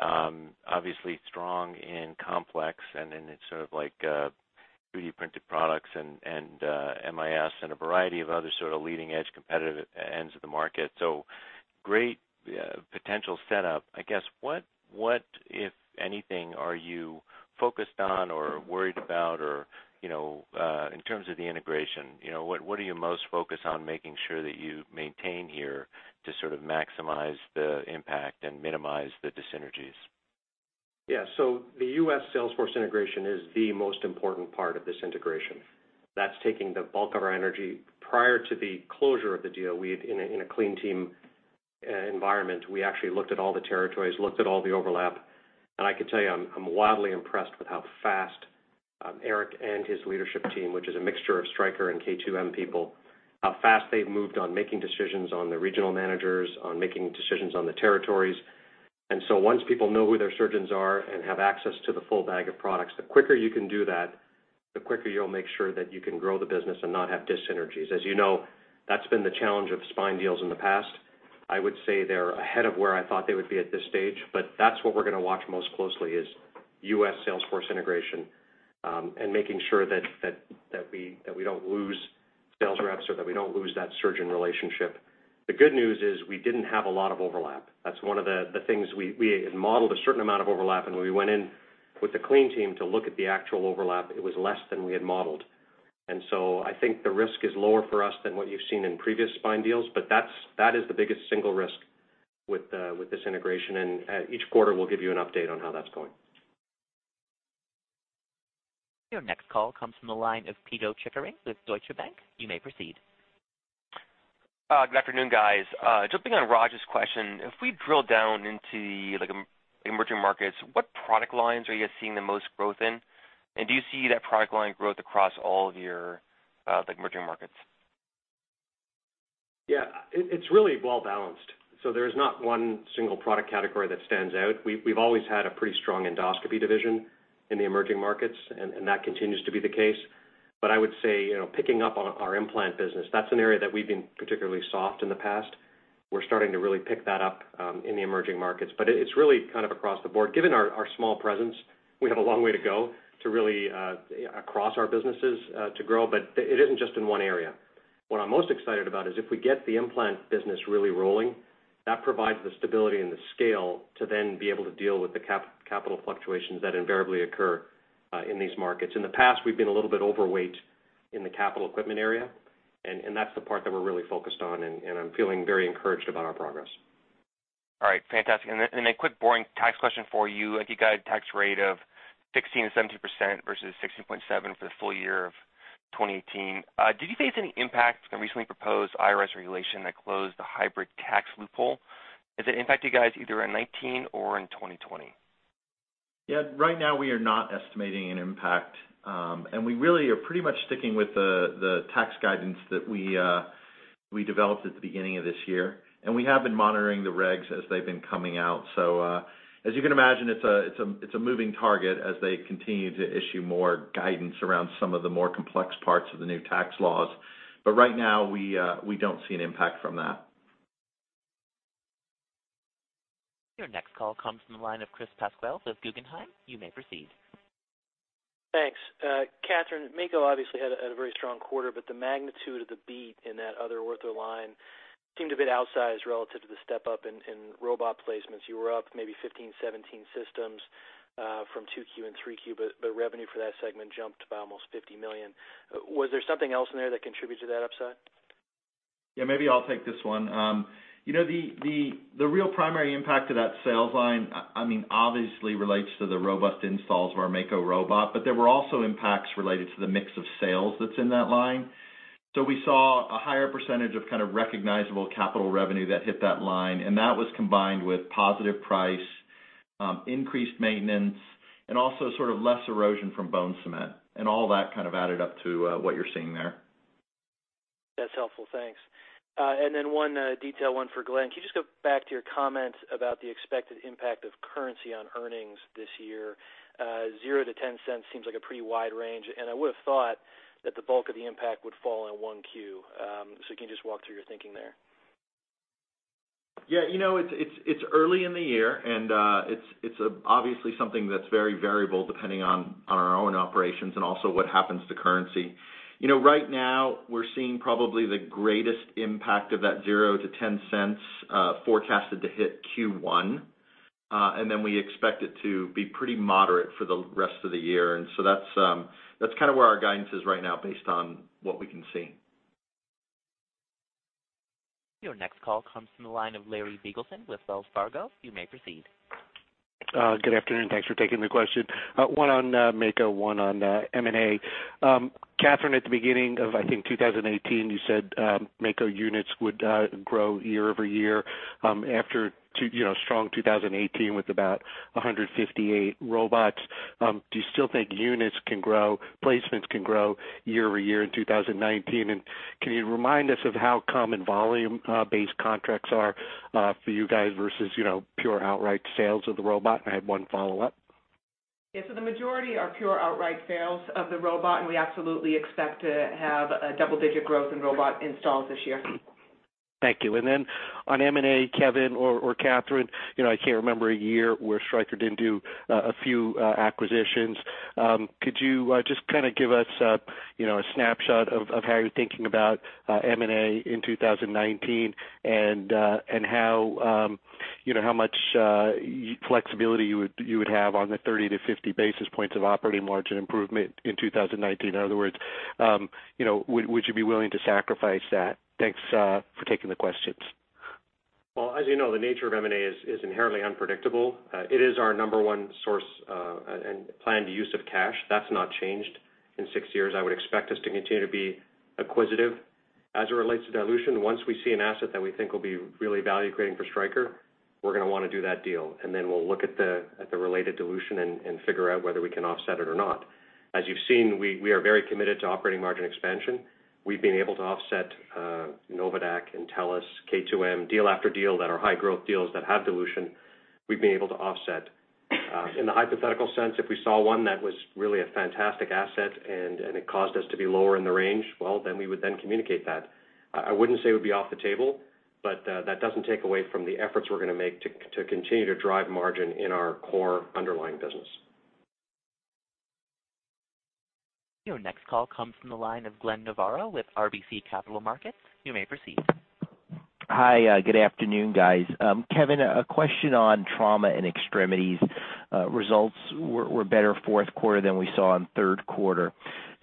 Obviously, it's strong in complex and in its 3D-printed products and MIS and a variety of other leading-edge competitive ends of the market. Great potential setup. I guess, what, if anything, are you focused on or worried about in terms of the integration? What are you most focused on making sure that you maintain here to maximize the impact and minimize the dysenergies? The U.S. sales force integration is the most important part of this integration. That's taking the bulk of our energy. Prior to the closure of the deal, in a clean team environment, we actually looked at all the territories, looked at all the overlap. I can tell you, I'm wildly impressed with how fast Eric and his leadership team, which is a mixture of Stryker and K2M people, how fast they've moved on making decisions on the regional managers, on making decisions on the territories. Once people know who their surgeons are and have access to the full bag of products, the quicker you can do that, the quicker you'll make sure that you can grow the business and not have dysenergies. As you know, that's been the challenge of spine deals in the past. I would say they're ahead of where I thought they would be at this stage, that's what we're going to watch most closely is U.S. sales force integration, and making sure that we don't lose sales reps or that we don't lose that surgeon relationship. The good news is we didn't have a lot of overlap. That's one of the things we had modeled a certain amount of overlap, and when we went in with the clean team to look at the actual overlap, it was less than we had modeled. I think the risk is lower for us than what you've seen in previous spine deals, but that is the biggest single risk with this integration. Each quarter, we'll give you an update on how that's going. Your next call comes from the line of Pito Chickering with Deutsche Bank. You may proceed. Good afternoon, guys. Jumping on Raj's question, if we drill down into the emerging markets, what product lines are you guys seeing the most growth in? Do you see that product line growth across all of your emerging markets? Yeah. It's really well-balanced. There's not one single product category that stands out. We've always had a pretty strong Endoscopy division in the emerging markets, and that continues to be the case. I would say, picking up on our implant business, that's an area that we've been particularly soft in the past. We're starting to really pick that up in the emerging markets. It's really kind of across the board. Given our small presence, we have a long way to go to really, across our businesses, to grow, but it isn't just in one area. What I'm most excited about is if we get the implant business really rolling, that provides the stability and the scale to then be able to deal with the capital fluctuations that invariably occur in these markets. In the past, we've been a little bit overweight in the capital equipment area, and that's the part that we're really focused on, and I'm feeling very encouraged about our progress. All right. Fantastic. Then a quick boring tax question for you. You got a tax rate of 16%-17% versus 16.7% for the full year of 2018. Did you face any impacts from recently proposed IRS regulation that closed the hybrid tax loophole? Has it impacted you guys either in 2019 or in 2020? Yeah. Right now, we are not estimating an impact. We really are pretty much sticking with the tax guidance that we developed at the beginning of this year. We have been monitoring the regs as they've been coming out. As you can imagine, it's a moving target as they continue to issue more guidance around some of the more complex parts of the new tax laws. Right now, we don't see an impact from that. Your next call comes from the line of Chris Pasquale with Guggenheim. You may proceed. Thanks. Katherine, Mako obviously had a very strong quarter. The magnitude of the beat in that other ortho line seemed a bit outsized relative to the step-up in robot placements. You were up maybe 15 systems, 17 systems from 2Q and 3Q. Revenue for that segment jumped by almost $50 million. Was there something else in there that contributed to that upside? Yeah, maybe I'll take this one. The real primary impact to that sales line, obviously relates to the robust installs of our Mako robot. There were also impacts related to the mix of sales that's in that line. We saw a higher percentage of kind of recognizable capital revenue that hit that line, and that was combined with positive price, increased maintenance, and also sort of less erosion from bone cement. All that kind of added up to what you're seeing there. That's helpful. Thanks. One detail, one for Glenn. Can you just go back to your comment about the expected impact of currency on earnings this year? $0.00-$0.10 seems like a pretty wide range, and I would have thought that the bulk of the impact would fall in Q1. Can you just walk through your thinking there? Yeah. It's early in the year, and it's obviously something that's very variable depending on our own operations and also what happens to currency. Right now, we're seeing probably the greatest impact of that $0.00-$0.10 forecasted to hit Q1. Then we expect it to be pretty moderate for the rest of the year. That's kind of where our guidance is right now based on what we can see. Your next call comes from the line of Larry Biegelsen with Wells Fargo. You may proceed. Good afternoon. Thanks for taking the question. One on Mako, one on M&A. Katherine, at the beginning of, I think, 2018, you said Mako units would grow year-over-year, after strong 2018 with about 158 robots. Do you still think units can grow, placements can grow year-over-year in 2019? Can you remind us of how common volume-based contracts are for you guys versus pure outright sales of the robot? I have one follow-up. Yeah, the majority are pure outright sales of the robot, and we absolutely expect to have a double-digit growth in robot installs this year. Thank you. On M&A, Kevin or Katherine, I can't remember a year where Stryker didn't do a few acquisitions. Could you just kind of give us a snapshot of how you're thinking about M&A in 2019, and how much flexibility you would have on the 30 basis points-50 basis points of operating margin improvement in 2019? In other words, would you be willing to sacrifice that? Thanks for taking the questions. Well, as you know, the nature of M&A is inherently unpredictable. It is our number one source and planned use of cash. That's not changed. In six years, I would expect us to continue to be acquisitive. As it relates to dilution, once we see an asset that we think will be really value-creating for Stryker, we're going to want to do that deal. We'll look at the related dilution and figure out whether we can offset it or not. As you've seen, we are very committed to operating margin expansion. We've been able to offset NOVADAQ, Entellus, K2M, deal after deal that are high growth deals that have dilution, we've been able to offset. In the hypothetical sense, if we saw one that was really a fantastic asset, it caused us to be lower in the range, well, we would then communicate that. I wouldn't say it would be off the table, that doesn't take away from the efforts we're going to make to continue to drive margin in our core underlying business. Your next call comes from the line of Glenn Novarro with RBC Capital Markets. You may proceed. Hi, good afternoon, guys. Kevin, a question on Trauma & Extremities. Results were better fourth quarter than we saw in third quarter.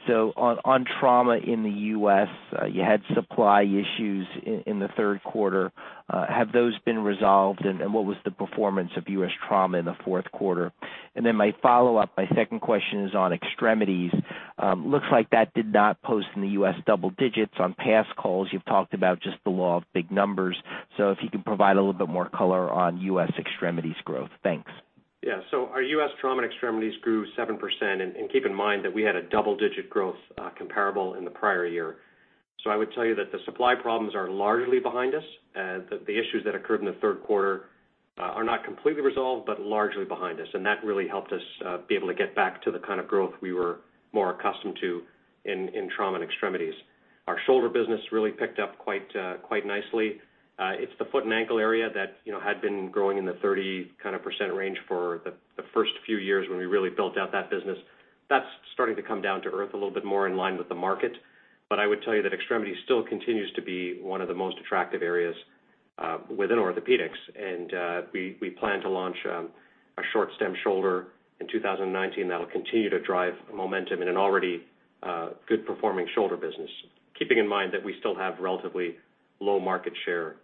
On U.S. Trauma, you had supply issues in the third quarter. Have those been resolved, and what was the performance of U.S. Trauma in the fourth quarter? My follow-up, my second question is on Extremities. Looks like that did not post in the U.S. double digits. On past calls, you've talked about just the law of big numbers. If you could provide a little bit more color on U.S. Extremities growth. Thanks. Yeah. Our U.S. Trauma & Extremities grew 7%, keep in mind that we had a double-digit growth comparable in the prior year. I would tell you that the supply problems are largely behind us. The issues that occurred in the third quarter are not completely resolved, largely behind us, that really helped us be able to get back to the kind of growth we were more accustomed to in Trauma & Extremities. Our shoulder business really picked up quite nicely. It's the foot and ankle area that had been growing in the 30% range for the first few years when we really built out that business. That's starting to come down to earth a little bit more in line with the market. I would tell you that Extremities still continues to be one of the most attractive areas within Orthopaedics. We plan to launch a short-stem shoulder in 2019 that'll continue to drive momentum in an already good performing shoulder business. Keeping in mind that we still have relatively low market share in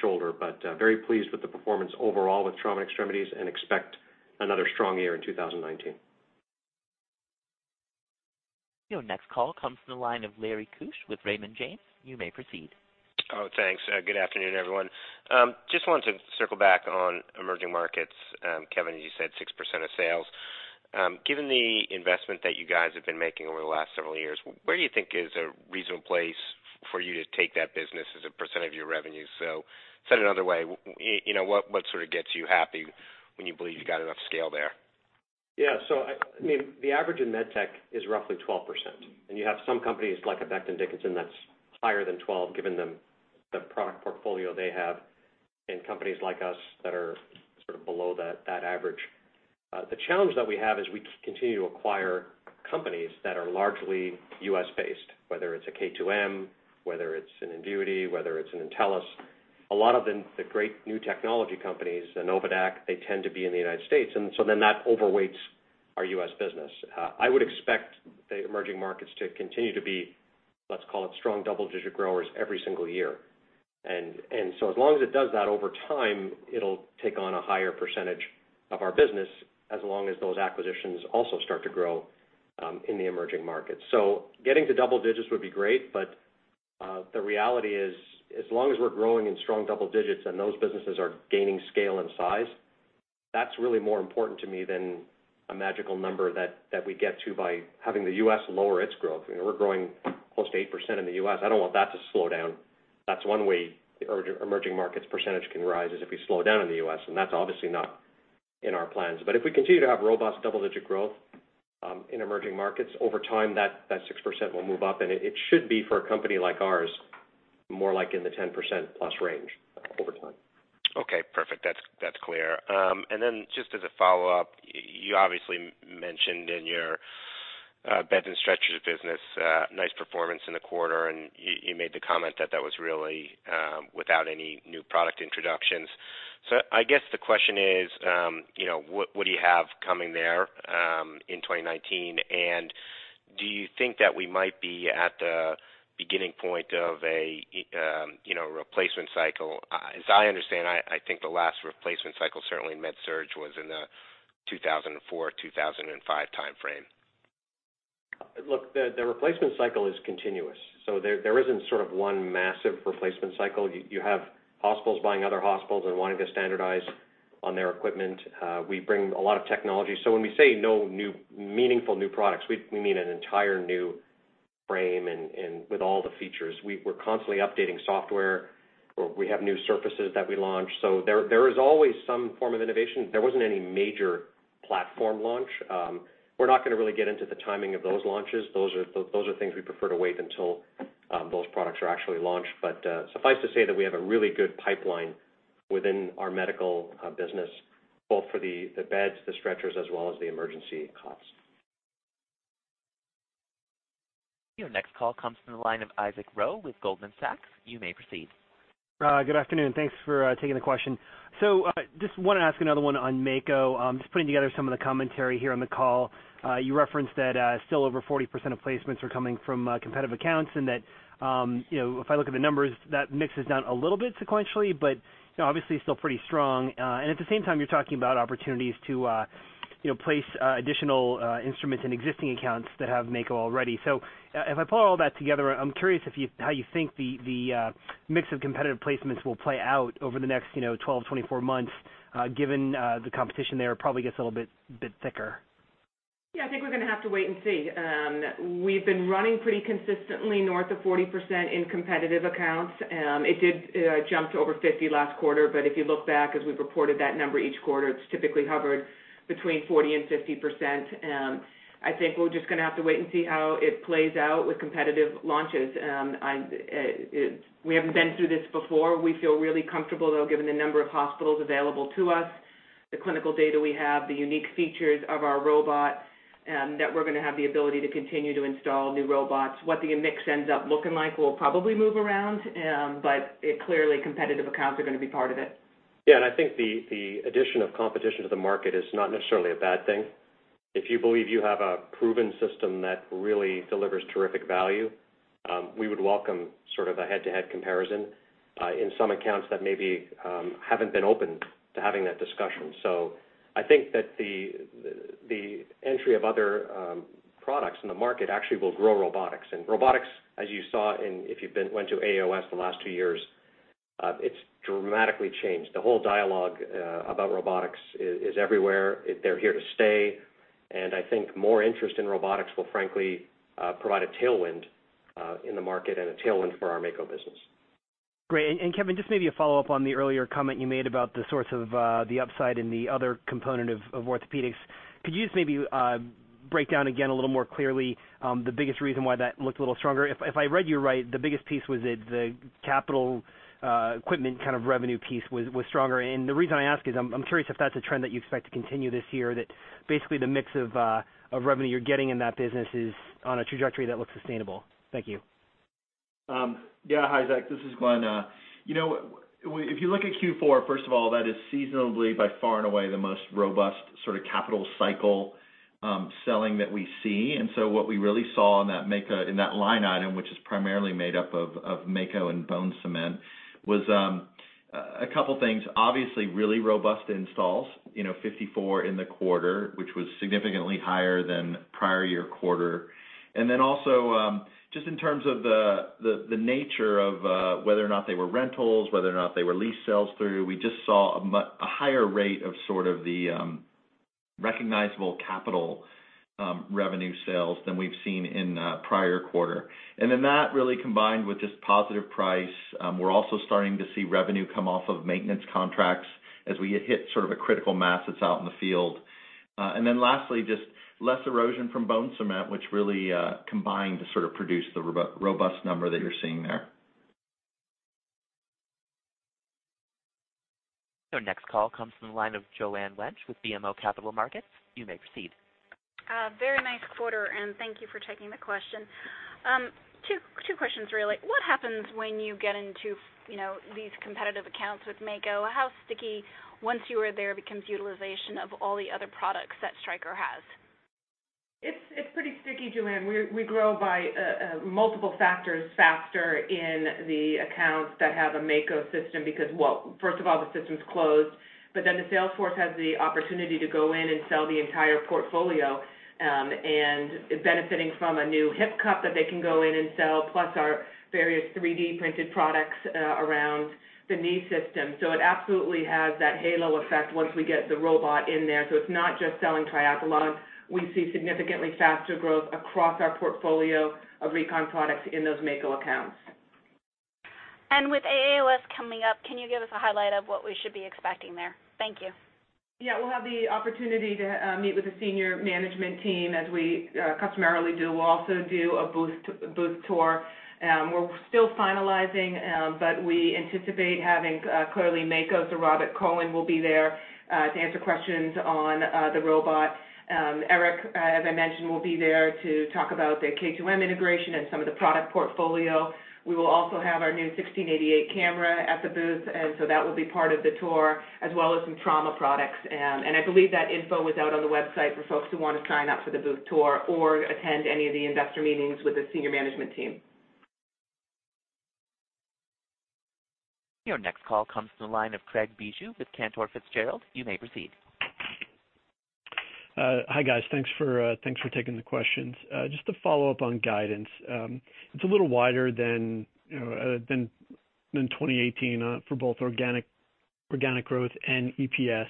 shoulder, very pleased with the performance overall with Trauma & Extremities and expect another strong year in 2019. Your next call comes from the line of Larry Keusch with Raymond James. You may proceed. Oh, thanks. Good afternoon, everyone. Just wanted to circle back on emerging markets. Kevin, you said 6% of sales. Given the investment that you guys have been making over the last several years, where do you think is a reasonable place for you to take that business as a percent of your revenue? Said another way, what sort of gets you happy when you believe you got enough scale there? Yeah. The average in med tech is roughly 12%, and you have some companies like a Becton Dickinson that's higher than 12%, given the product portfolio they have, and companies like us that are sort of below that average. The challenge that we have is we continue to acquire companies that are largely U.S.-based, whether it's a K2M, whether it's an Invuity, whether it's an Entellus. A lot of the great new technology companies, a NOVADAQ, they tend to be in the United States, and that overweights our U.S. business. I would expect the emerging markets to continue to be, let's call it strong double-digit growers every single year. As long as it does that over time, it'll take on a higher percentage of our business, as long as those acquisitions also start to grow in the emerging markets. Getting to double digits would be great, but the reality is, as long as we're growing in strong double digits and those businesses are gaining scale and size, that's really more important to me than a magical number that we get to by having the U.S. lower its growth. We're growing close to 8% in the U.S. I don't want that to slow down. That's one way the emerging markets percentage can rise, is if we slow down in the U.S., and that's obviously not in our plans. If we continue to have robust double-digit growth in emerging markets, over time, that 6% will move up, and it should be for a company like ours, more like in the 10%+ range over time. Okay, perfect. That's clear. Just as a follow-up, you obviously mentioned in your Beds and stretchers business, nice performance in the quarter, and you made the comment that that was really without any new product introductions. I guess the question is, what do you have coming there, in 2019? Do you think that we might be at the beginning point of a replacement cycle? As I understand, I think the last replacement cycle, certainly in MedSurg, was in the 2004, 2005 timeframe. The replacement cycle is continuous, there isn't sort of one massive replacement cycle. You have hospitals buying other hospitals and wanting to standardize on their equipment. We bring a lot of technology. When we say no meaningful new products, we mean an entire new frame and with all the features. We're constantly updating software or we have new surfaces that we launch. There is always some form of innovation. There wasn't any major platform launch. We're not going to really get into the timing of those launches. Those are things we prefer to wait until those products are actually launched. Suffice to say that we have a really good pipeline within our Medical business, both for the beds, the stretchers, as well as the emergency cots. Your next call comes from the line of Isaac Ro with Goldman Sachs. You may proceed. Good afternoon. Thanks for taking the question. Just want to ask another one on Mako. Just putting together some of the commentary here on the call. You referenced that still over 40% of placements are coming from competitive accounts, and that if I look at the numbers, that mix is down a little bit sequentially, but obviously still pretty strong. At the same time, you're talking about opportunities to place additional instruments in existing accounts that have Mako already. If I pull all that together, I'm curious how you think the mix of competitive placements will play out over the next 12 months, 24 months, given the competition there probably gets a little bit thicker. Yeah, I think we're going to have to wait and see. We've been running pretty consistently north of 40% in competitive accounts. It did jump to over 50% last quarter, but if you look back as we've reported that number each quarter, it's typically hovered between 40% and 50%. I think we're just going to have to wait and see how it plays out with competitive launches. We have been through this before. We feel really comfortable, though, given the number of hospitals available to us, the clinical data we have, the unique features of our robot, that we're going to have the ability to continue to install new robots. What the mix ends up looking like will probably move around, but clearly competitive accounts are going to be part of it. Yeah, I think the addition of competition to the market is not necessarily a bad thing. If you believe you have a proven system that really delivers terrific value, we would welcome sort of a head-to-head comparison, in some accounts that maybe haven't been open to having that discussion. I think that the entry of other products in the market actually will grow robotics. Robotics, as you saw if you went to AAOS the last two years, it's dramatically changed. The whole dialogue about robotics is everywhere. They're here to stay, and I think more interest in robotics will frankly provide a tailwind in the market and a tailwind for our Mako business. Great. Kevin, just maybe a follow-up on the earlier comment you made about the source of the upside in the other component of orthopedics. Could you just maybe break down again a little more clearly the biggest reason why that looked a little stronger? If I read you right, the biggest piece was the capital equipment kind of revenue piece was stronger. The reason I ask is I'm curious if that's a trend that you expect to continue this year, that basically the mix of revenue you're getting in that business is on a trajectory that looks sustainable? Thank you. Yeah. Hi, Isaac, this is Glenn. If you look at Q4, first of all, that is seasonably by far and away the most robust sort of capital cycle selling that we see. What we really saw in that line item, which is primarily made up of Mako and bone cement, was a couple things. Obviously, really robust installs, 54 robots in the quarter, which was significantly higher than prior year quarter. Also, just in terms of the nature of whether or not they were rentals, whether or not they were lease sales through, we just saw a higher rate of sort of the recognizable capital revenue sales than we've seen in prior quarter. That really combined with just positive price. We're also starting to see revenue come off of maintenance contracts as we hit sort of a critical mass that's out in the field. Lastly, just less erosion from bone cement, which really combined to sort of produce the robust number that you're seeing there. Your next call comes from the line of Joanne Wuensch with BMO Capital Markets. You may proceed. Very nice quarter, and thank you for taking the question. Two questions, really. What happens when you get into these competitive accounts with Mako? How sticky, once you are there, becomes utilization of all the other products that Stryker has? It's pretty sticky, Joanne. We grow by multiple factors faster in the accounts that have a Mako system because, well, first of all, the system's closed, the sales force has the opportunity to go in and sell the entire portfolio, and benefiting from a new hip cup that they can go in and sell, plus our various 3D-printed products around the knee system. It absolutely has that halo effect once we get the robot in there. It's not just selling Triathlon. We see significantly faster growth across our portfolio of recon products in those Mako accounts. And with AAOS coming up, can you give us a highlight of what we should be expecting there? Thank you. Yeah. We'll have the opportunity to meet with the senior management team as we customarily do. We'll also do a booth tour. We're still finalizing, but we anticipate having clearly Mako, so Robert Cohen will be there to answer questions on the robot. Eric, as I mentioned, will be there to talk about the K2M integration and some of the product portfolio. We will also have our new 1688 camera at the booth, so that will be part of the tour, as well as some trauma products. I believe that info is out on the website for folks who want to sign up for the booth tour or attend any of the investor meetings with the senior management team. Your next call comes to the line of Craig Bijou with Cantor Fitzgerald. You may proceed. Hi, guys. Thanks for taking the questions. Just to follow up on guidance. It's a little wider than 2018 for both organic growth and EPS.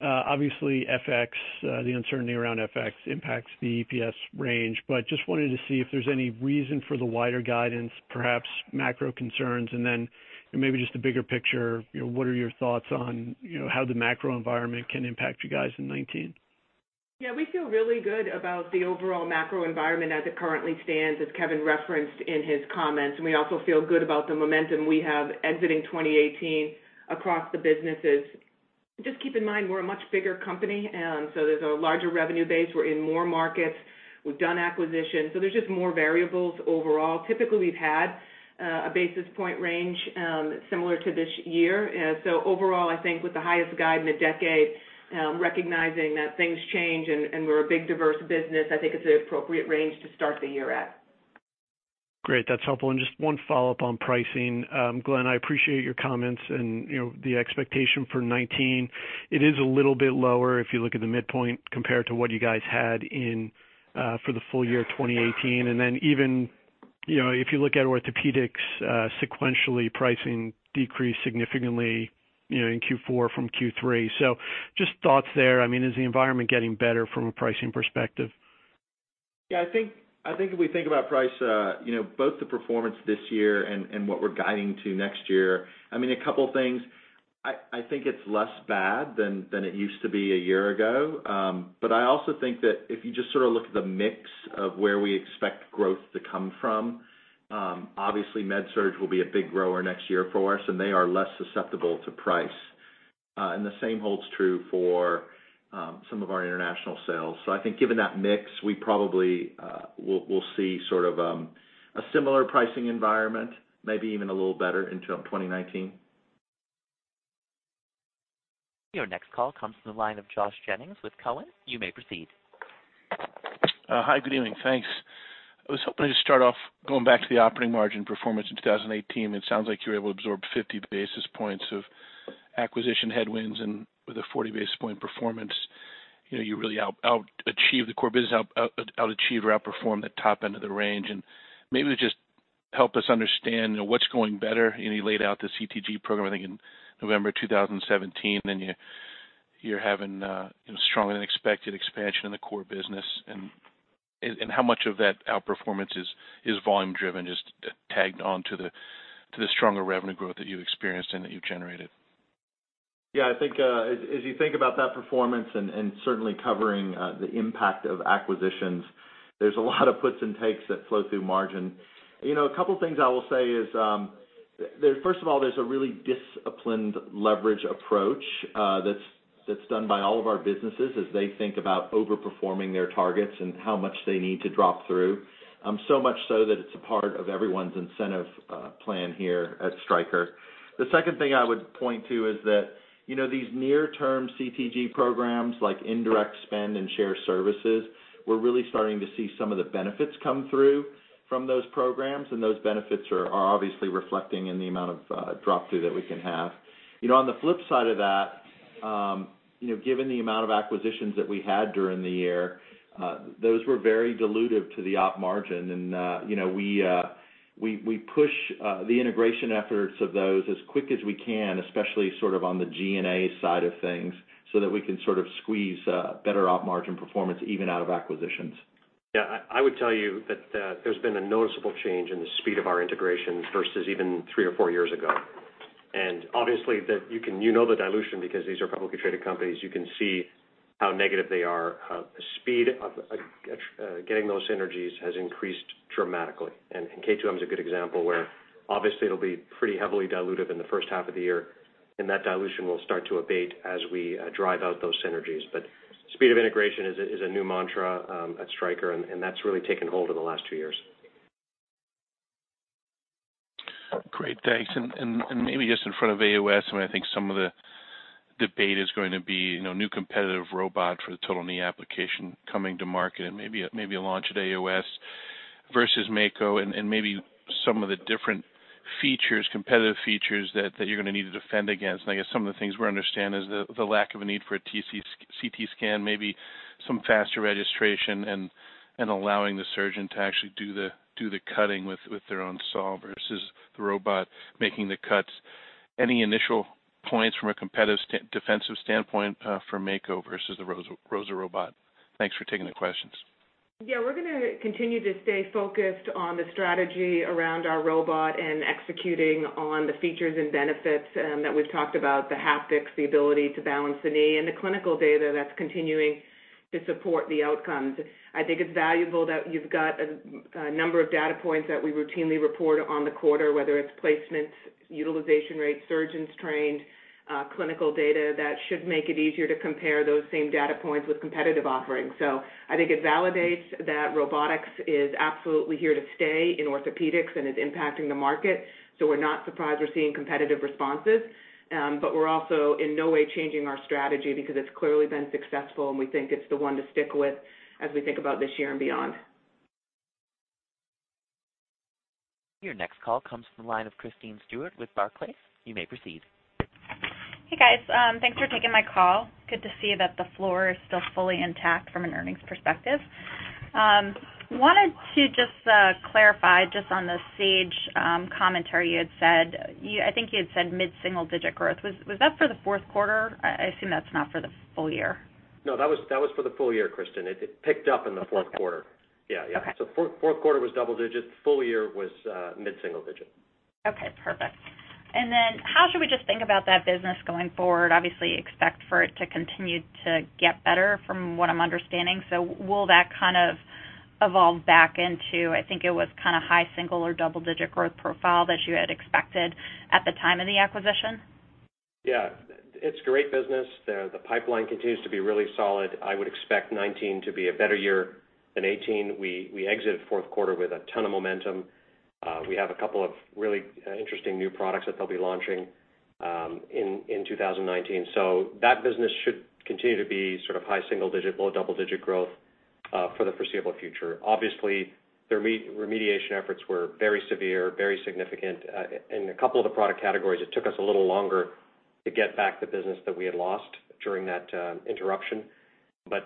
Obviously, FX, the uncertainty around FX impacts the EPS range. Just wanted to see if there's any reason for the wider guidance, perhaps macro concerns, and then maybe just the bigger picture, what are your thoughts on how the macro environment can impact you guys in 2019? Yeah, we feel really good about the overall macro environment as it currently stands, as Kevin referenced in his comments, and we also feel good about the momentum we have exiting 2018 across the businesses. Just keep in mind, we're a much bigger company, so there's a larger revenue base. We're in more markets. We've done acquisitions, so there's just more variables overall. Typically, we've had a basis point range similar to this year. Overall, I think with the highest guide in a decade, recognizing that things change and we're a big, diverse business, I think it's an appropriate range to start the year at. Great. That's helpful. Just one follow-up on pricing. Glenn, I appreciate your comments and the expectation for 2019. It is a little bit lower if you look at the midpoint compared to what you guys had in for the full year 2018. Even if you look at Orthopaedics sequentially, pricing decreased significantly in Q4 from Q3. Just thoughts there. Is the environment getting better from a pricing perspective? Yeah, I think if we think about price, both the performance this year and what we're guiding to next year, a couple things. I think it's less bad than it used to be a year ago. I also think that if you just sort of look at the mix of where we expect growth to come from, obviously MedSurg will be a big grower next year for us, and they are less susceptible to price. The same holds true for some of our international sales. I think given that mix, we probably will see sort of a similar pricing environment, maybe even a little better into 2019. Your next call comes to the line of Josh Jennings with Cowen. You may proceed. Hi, good evening. Thanks. I was hoping to start off going back to the operating margin performance in 2018. It sounds like you were able to absorb 50 basis points of acquisition headwinds and with a 40 basis point performance, you really out-achieved or outperformed the top end of the range. Maybe just help us understand what's going better. You laid out the CTG program, I think, in November 2017. You're having stronger than expected expansion in the core business. How much of that outperformance is volume driven, just tagged on to the stronger revenue growth that you experienced and that you generated? Yeah, I think as you think about that performance and certainly covering the impact of acquisitions, there's a lot of puts and takes that flow through margin. A couple things I will say is, first of all, there's a really disciplined leverage approach that's done by all of our businesses as they think about over-performing their targets and how much they need to drop through, so much so that it's a part of everyone's incentive plan here at Stryker. The second thing I would point to is that these near-term CTG programs, like indirect spend and share services, we're really starting to see some of the benefits come through from those programs, and those benefits are obviously reflecting in the amount of drop-through that we can have. On the flip side of that, given the amount of acquisitions that we had during the year, those were very dilutive to the op margin, and we push the integration efforts of those as quick as we can, especially sort of on the G&A side of things, so that we can sort of squeeze better op margin performance even out of acquisitions. Yeah, I would tell you that there's been a noticeable change in the speed of our integration versus even three or four years ago. Obviously, you know the dilution because these are publicly traded companies. You can see how negative they are. The speed of getting those synergies has increased dramatically. K2M is a good example where obviously it'll be pretty heavily dilutive in the first half of the year, and that dilution will start to abate as we drive out those synergies. Speed of integration is a new mantra at Stryker, and that's really taken hold in the last two years. Great, thanks. Maybe just in front of AAOS, I think some of the debate is going to be new competitive robot for the total knee application coming to market and maybe a launch at AAOS versus Mako and maybe some of the different features, competitive features that you're going to need to defend against. I guess some of the things we understand is the lack of a need for a CT scan, maybe some faster registration and allowing the surgeon to actually do the cutting with their own saw versus the robot making the cuts. Any initial points from a competitive defensive standpoint for Mako versus the ROSA robot? Thanks for taking the questions. Yeah, we're going to continue to stay focused on the strategy around our robot and executing on the features and benefits that we've talked about, the haptics, the ability to balance the knee, and the clinical data that's continuing to support the outcomes. I think it's valuable that you've got a number of data points that we routinely report on the quarter, whether it's placements, utilization rates, surgeons trained, clinical data that should make it easier to compare those same data points with competitive offerings. I think it validates that robotics is absolutely here to stay in Orthopaedics and is impacting the market. We're not surprised we're seeing competitive responses. We're also in no way changing our strategy because it's clearly been successful, and we think it's the one to stick with as we think about this year and beyond. Your next call comes from the line of Kristen Stewart with Barclays. You may proceed. Hey, guys. Thanks for taking my call. Good to see that the floor is still fully intact from an earnings perspective. Wanted to just clarify just on the Sage commentary you had said. I think you had said mid-single digit growth. Was that for the fourth quarter? I assume that's not for the full year. No, that was for the full year, Kristen. It picked up in the fourth quarter. Okay. Yeah. Okay. Fourth quarter was double digit. Full year was mid-single digit. Okay, perfect. How should we just think about that business going forward? Obviously, expect for it to continue to get better from what I'm understanding. Will that kind of evolve back into, I think, it was kind of high single or double-digit growth profile that you had expected at the time of the acquisition? Yeah. It's great business. The pipeline continues to be really solid. I would expect 2019 to be a better year than 2018. We exited fourth quarter with a ton of momentum. We have a couple of really interesting new products that they'll be launching in 2019. That business should continue to be sort of high single-digit, low double-digit growth for the foreseeable future. Obviously, their remediation efforts were very severe, very significant. In a couple of the product categories, it took us a little longer to get back the business that we had lost during that interruption.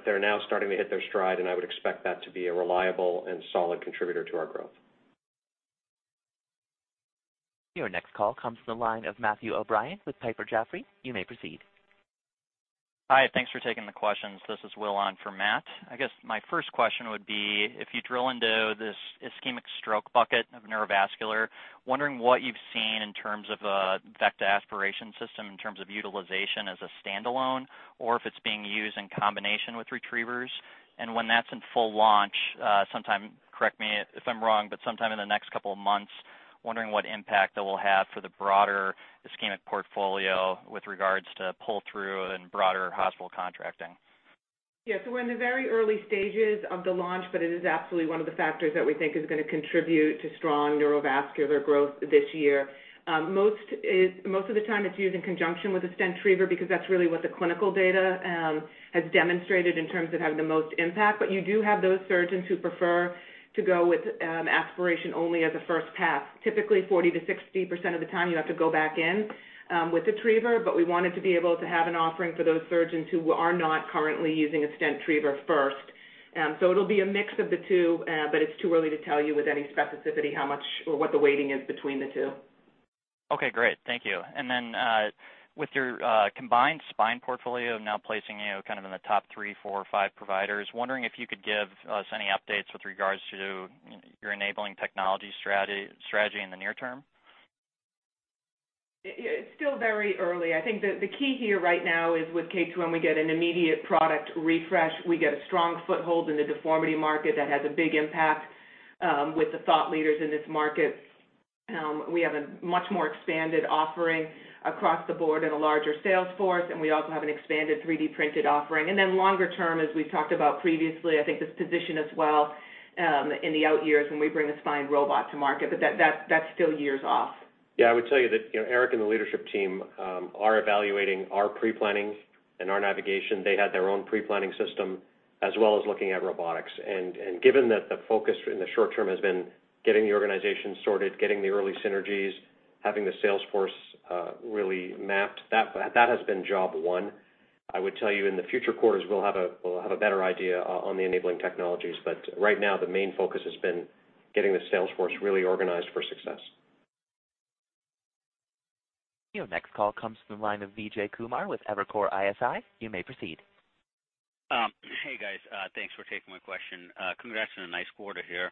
They're now starting to hit their stride, and I would expect that to be a reliable and solid contributor to our growth. Your next call comes from the line of Matthew O'Brien with Piper Jaffray. You may proceed. Hi, thanks for taking the questions. This is Will on for Matt. I guess my first question would be, if you drill into this ischemic stroke bucket of Neurovascular, wondering what you've seen in terms of a Vecta aspiration system in terms of utilization as a standalone, or if it's being used in combination with retrievers. When that's in full launch, sometime, correct me if I'm wrong, but sometime in the next couple of months, wondering what impact that will have for the broader ischemic portfolio with regards to pull-through and broader hospital contracting? Yeah. We're in the very early stages of the launch, but it is absolutely one of the factors that we think is going to contribute to strong Neurovascular growth this year. Most of the time, it's used in conjunction with a stentriever because that's really what the clinical data has demonstrated in terms of having the most impact. You do have those surgeons who prefer to go with aspiration only as a first pass. Typically, 40%-60% of the time, you have to go back in with a retriever, we wanted to be able to have an offering for those surgeons who are not currently using a stentriever first. It'll be a mix of the two, but it's too early to tell you with any specificity how much or what the weighting is between the two. Okay, great. Thank you. Then with your combined spine portfolio now placing you kind of in the top three, four, or five providers, wondering if you could give us any updates with regards to your enabling technology strategy in the near term? It's still very early. I think the key here right now is with K2M, when we get an immediate product refresh, we get a strong foothold in the deformity market that has a big impact with the thought leaders in this market. We have a much more expanded offering across the board and a larger sales force, and we also have an expanded 3D-printed offering. Longer term, as we've talked about previously, I think this position as well in the out years when we bring a spine robot to market, that's still years off. Yeah. I would tell you that Eric and the leadership team are evaluating our pre-planning and our navigation. They had their own pre-planning system, as well as looking at robotics. Given that the focus in the short term has been getting the organization sorted, getting the early synergies, having the sales force really mapped, that has been job one. I would tell you in the future quarters, we'll have a better idea on the enabling technologies. Right now, the main focus has been getting the sales force really organized for success. Your next call comes from the line of Vijay Kumar with Evercore ISI. You may proceed. Hey, guys. Thanks for taking my question. Congrats on a nice quarter here.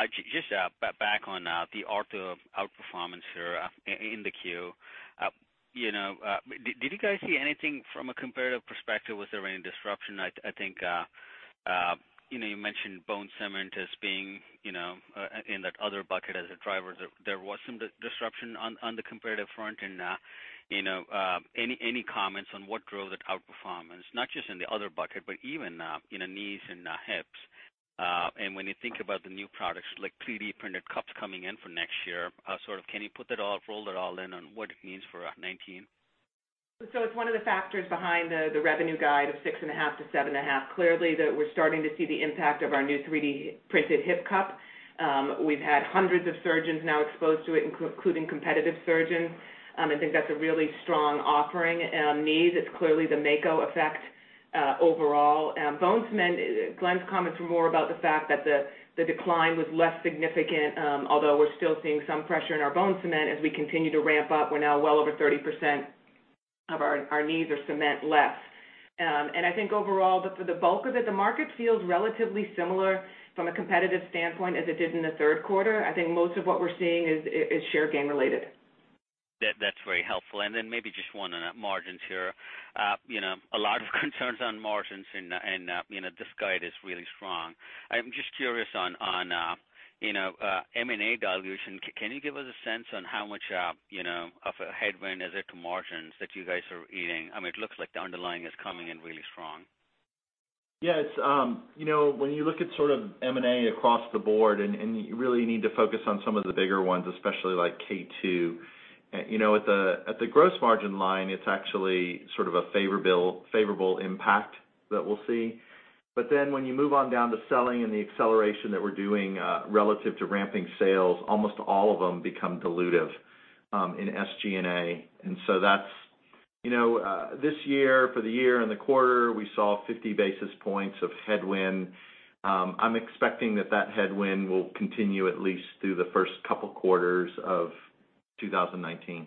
Back on the arthro outperformance here in the queue. Did you guys see anything from a comparative perspective with the rain disruption? I think you mentioned bone cement as being in that other bucket as a driver. There was some disruption on the comparative front. Any comments on what drove that outperformance, not just in the other bucket, but even in knees and hips? When you think about the new products like 3D-printed cups coming in for next year, can you put that all, roll it all in on what it means for 2019? It's one of the factors behind the revenue guide of 6.5%-7.5%. Clearly, we're starting to see the impact of our new 3D-printed hip cup. We've had hundreds of surgeons now exposed to it, including competitive surgeons. I think that's a really strong offering. Knee, that's clearly the Mako effect overall. Bone cement, Glenn's comments were more about the fact that the decline was less significant, although we're still seeing some pressure in our bone cement as we continue to ramp up. We're now well over 30% of our needs are cementless. I think overall, the bulk of it, the market feels relatively similar from a competitive standpoint as it did in the third quarter. I think most of what we're seeing is share gain related. That's very helpful. Maybe just one on margins here. A lot of concerns on margins, this guide is really strong. I'm curious on M&A dilution. Can you give us a sense on how much of a headwind is it to margins that you guys are eating? It looks like the underlying is coming in really strong. Yes. When you look at M&A across the board, you really need to focus on some of the bigger ones, especially like K2M. At the gross margin line, it's actually a favorable impact that we'll see. When you move on down to selling and the acceleration that we're doing relative to ramping sales, almost all of them become dilutive in SG&A. This year, for the year and the quarter, we saw 50 basis points of headwind. I'm expecting that headwind will continue at least through the first couple quarters of 2019.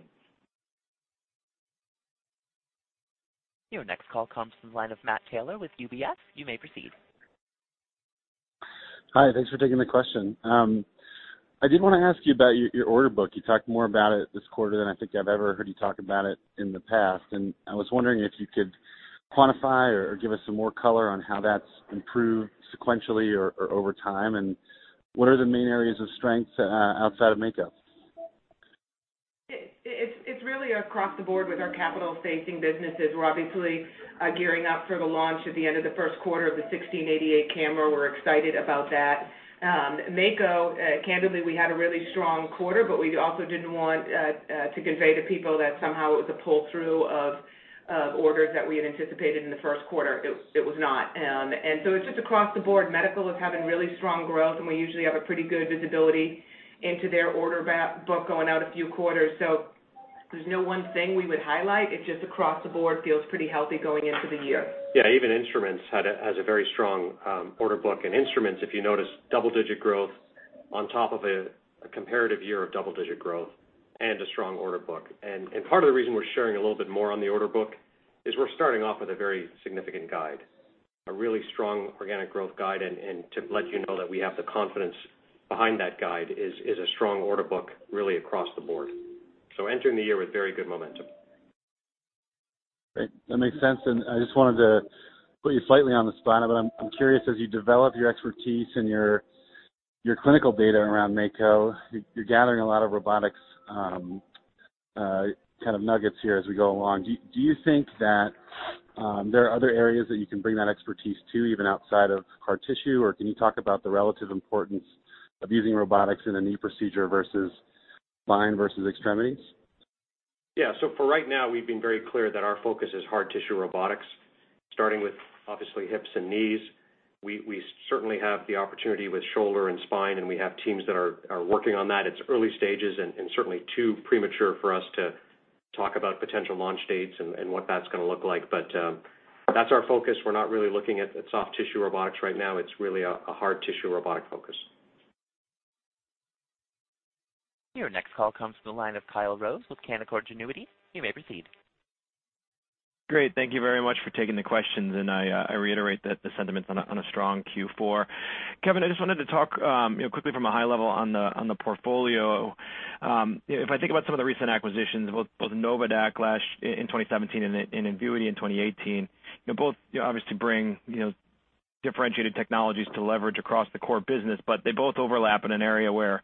Your next call comes from the line of Matt Taylor with UBS. You may proceed. Hi, thanks for taking the question. I did want to ask you about your order book. You talked more about it this quarter than I think I've ever heard you talk about it in the past. I was wondering if you could quantify or give us some more color on how that's improved sequentially or over time, and what are the main areas of strength outside of Mako? It's really across the board with our capital-facing businesses. We're obviously gearing up for the launch at the end of the first quarter of the 1688 camera. We're excited about that. Mako, candidly, we had a really strong quarter, but we also didn't want to convey to people that somehow it was a pull-through of orders that we had anticipated in the first quarter. It was not. It's just across the board. Medical is having really strong growth, and we usually have a pretty good visibility into their order book going out a few quarters. There's no one thing we would highlight. It's just across the board, feels pretty healthy going into the year. Yeah, even Instruments has a very strong order book. Instruments, if you notice, double-digit growth on top of a comparative year of double-digit growth and a strong order book. Part of the reason we're sharing a little bit more on the order book is we're starting off with a very significant guide, a really strong organic growth guide. To let you know that we have the confidence behind that guide is a strong order book really across the board. Entering the year with very good momentum. Great. That makes sense. I just wanted to put you slightly on the spot, but I'm curious, as you develop your expertise and your clinical data around Mako, you're gathering a lot of robotics kind of nuggets here as we go along. Do you think that there are other areas that you can bring that expertise to, even outside of hard tissue? Or can you talk about the relative importance of using robotics in a knee procedure versus spine versus extremities? Yeah. For right now, we've been very clear that our focus is hard tissue robotics, starting with obviously hips and knees. We certainly have the opportunity with shoulder and spine, and we have teams that are working on that. It's early stages and certainly too premature for us to talk about potential launch dates and what that's going to look like. That's our focus. We're not really looking at soft tissue robotics right now. It's really a hard tissue robotic focus. Your next call comes from the line of Kyle Rose with Canaccord Genuity. You may proceed. Great. Thank you very much for taking the questions. I reiterate the sentiments on a strong Q4. Kevin, I just wanted to talk quickly from a high level on the portfolio. If I think about some of the recent acquisitions, both NOVADAQ in 2017 and Invuity in 2018, both obviously bring differentiated technologies to leverage across the core business, but they both overlap in an area where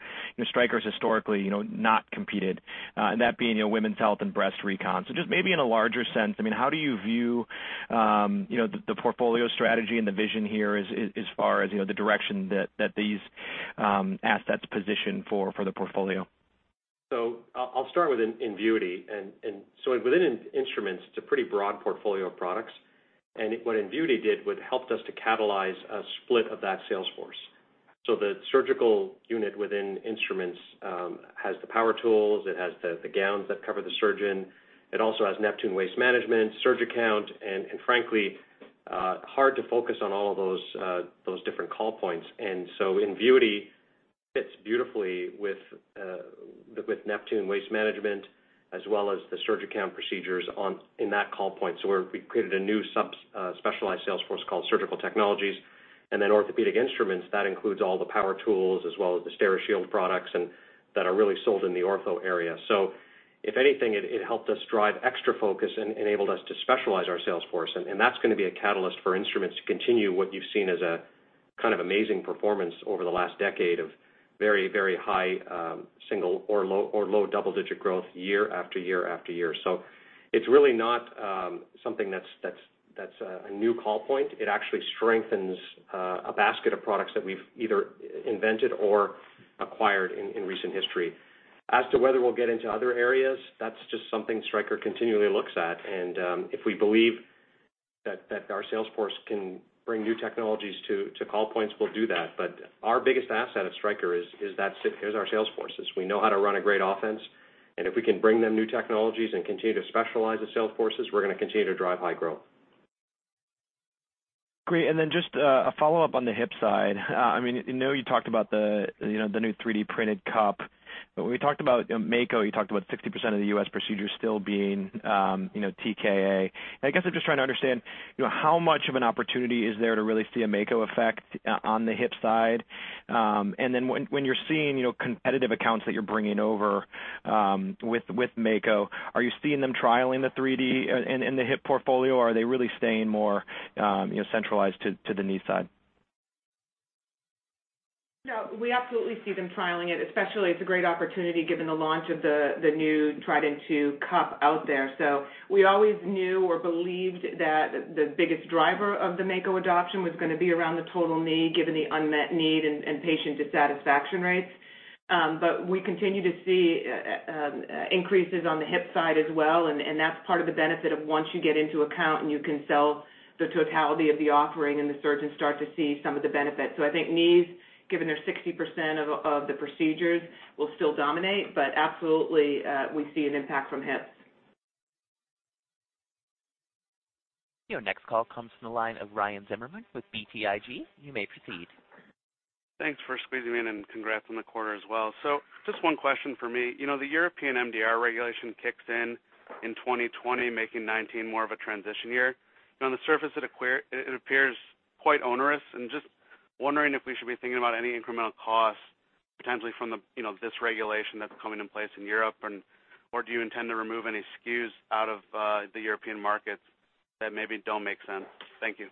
Stryker's historically not competed, that being women's health and breast recon. Just maybe in a larger sense, how do you view the portfolio strategy and the vision here as far as the direction that these assets position for the portfolio? I'll start with Invuity. Within Instruments, it's a pretty broad portfolio of products. What Invuity did was helped us to catalyze a split of that sales force. The surgical unit within Instruments has the power tools. It has the gowns that cover the surgeon. It also has Neptune Waste Management, SurgiCount, and frankly, hard to focus on all of those different call points. Invuity fits beautifully with Neptune Waste Management as well as the SurgiCount procedures in that call point. We created a new specialized sales force called Surgical Technologies, and then Orthopedic Instruments, that includes all the power tools as well as the Steri-Shield products that are really sold in the ortho area. If anything, it helped us drive extra focus and enabled us to specialize our sales force. That's going to be a catalyst for Instruments to continue what you've seen as a kind of amazing performance over the last decade of very high single or low double-digit growth year after year after year. It's really not something that's a new call point. It actually strengthens a basket of products that we've either invented or acquired in recent history. As to whether we'll get into other areas, that's just something Stryker continually looks at. If we believe that our sales force can bring new technologies to call points, we'll do that. Our biggest asset at Stryker is our sales forces. We know how to run a great offense, and if we can bring them new technologies and continue to specialize the sales forces, we're going to continue to drive high growth. Great. Just a follow-up on the hip side. I know you talked about the new 3D-printed cup. When we talked about Mako, you talked about 60% of the U.S. procedures still being TKA. I guess I'm just trying to understand, how much of an opportunity is there to really see a Mako effect on the hip side? When you're seeing competitive accounts that you're bringing over with Mako, are you seeing them trialing the 3D in the hip portfolio, or are they really staying more centralized to the knee side? No, we absolutely see them trialing it, especially it's a great opportunity given the launch of the new Trident II cup out there. We always knew or believed that the biggest driver of the Mako adoption was going to be around the total knee, given the unmet need and patient dissatisfaction rates. We continue to see increases on the hip side as well, and that's part of the benefit of once you get into account and you can sell the totality of the offering and the surgeons start to see some of the benefits. I think knees, given they're 60% of the procedures, will still dominate, but absolutely, we see an impact from hips. Your next call comes from the line of Ryan Zimmerman with BTIG. You may proceed. Thanks for squeezing me in, and congrats on the quarter as well. Just one question from me. The European MDR regulation kicks in in 2020, making 2019 more of a transition year. On the surface, it appears quite onerous and just wondering if we should be thinking about any incremental costs potentially from this regulation that's coming in place in Europe, or do you intend to remove any SKUs out of the European markets that maybe don't make sense? Thank you.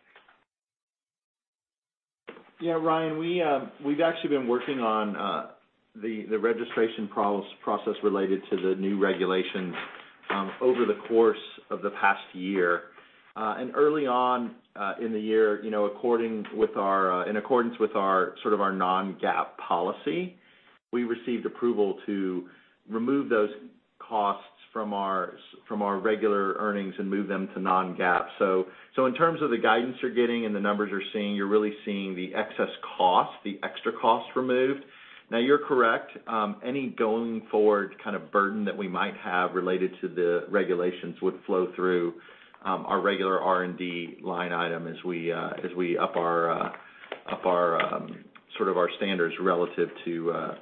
Yeah, Ryan, we've actually been working on the registration process related to the new regulations over the course of the past year. Early on in the year, in accordance with our non-GAAP policy, we received approval to remove those costs from our regular earnings and move them to non-GAAP. In terms of the guidance you're getting and the numbers you're seeing, you're really seeing the excess cost, the extra cost removed. Now, you're correct. Any going forward kind of burden that we might have related to the regulations would flow through our regular R&D line item as we up our standards relative to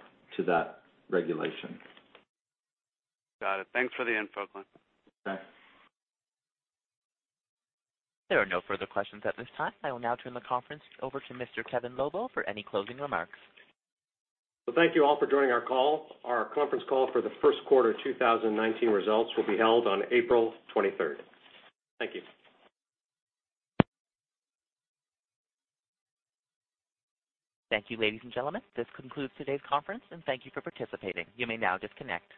that regulation. Got it. Thanks for the info, Glenn. Thanks. There are no further questions at this time. I will now turn the conference over to Mr. Kevin Lobo for any closing remarks. Well, thank you all for joining our call. Our conference call for the first quarter 2019 results will be held on April 23rd. Thank you. Thank you, ladies and gentlemen. This concludes today's conference, and thank you for participating. You may now disconnect.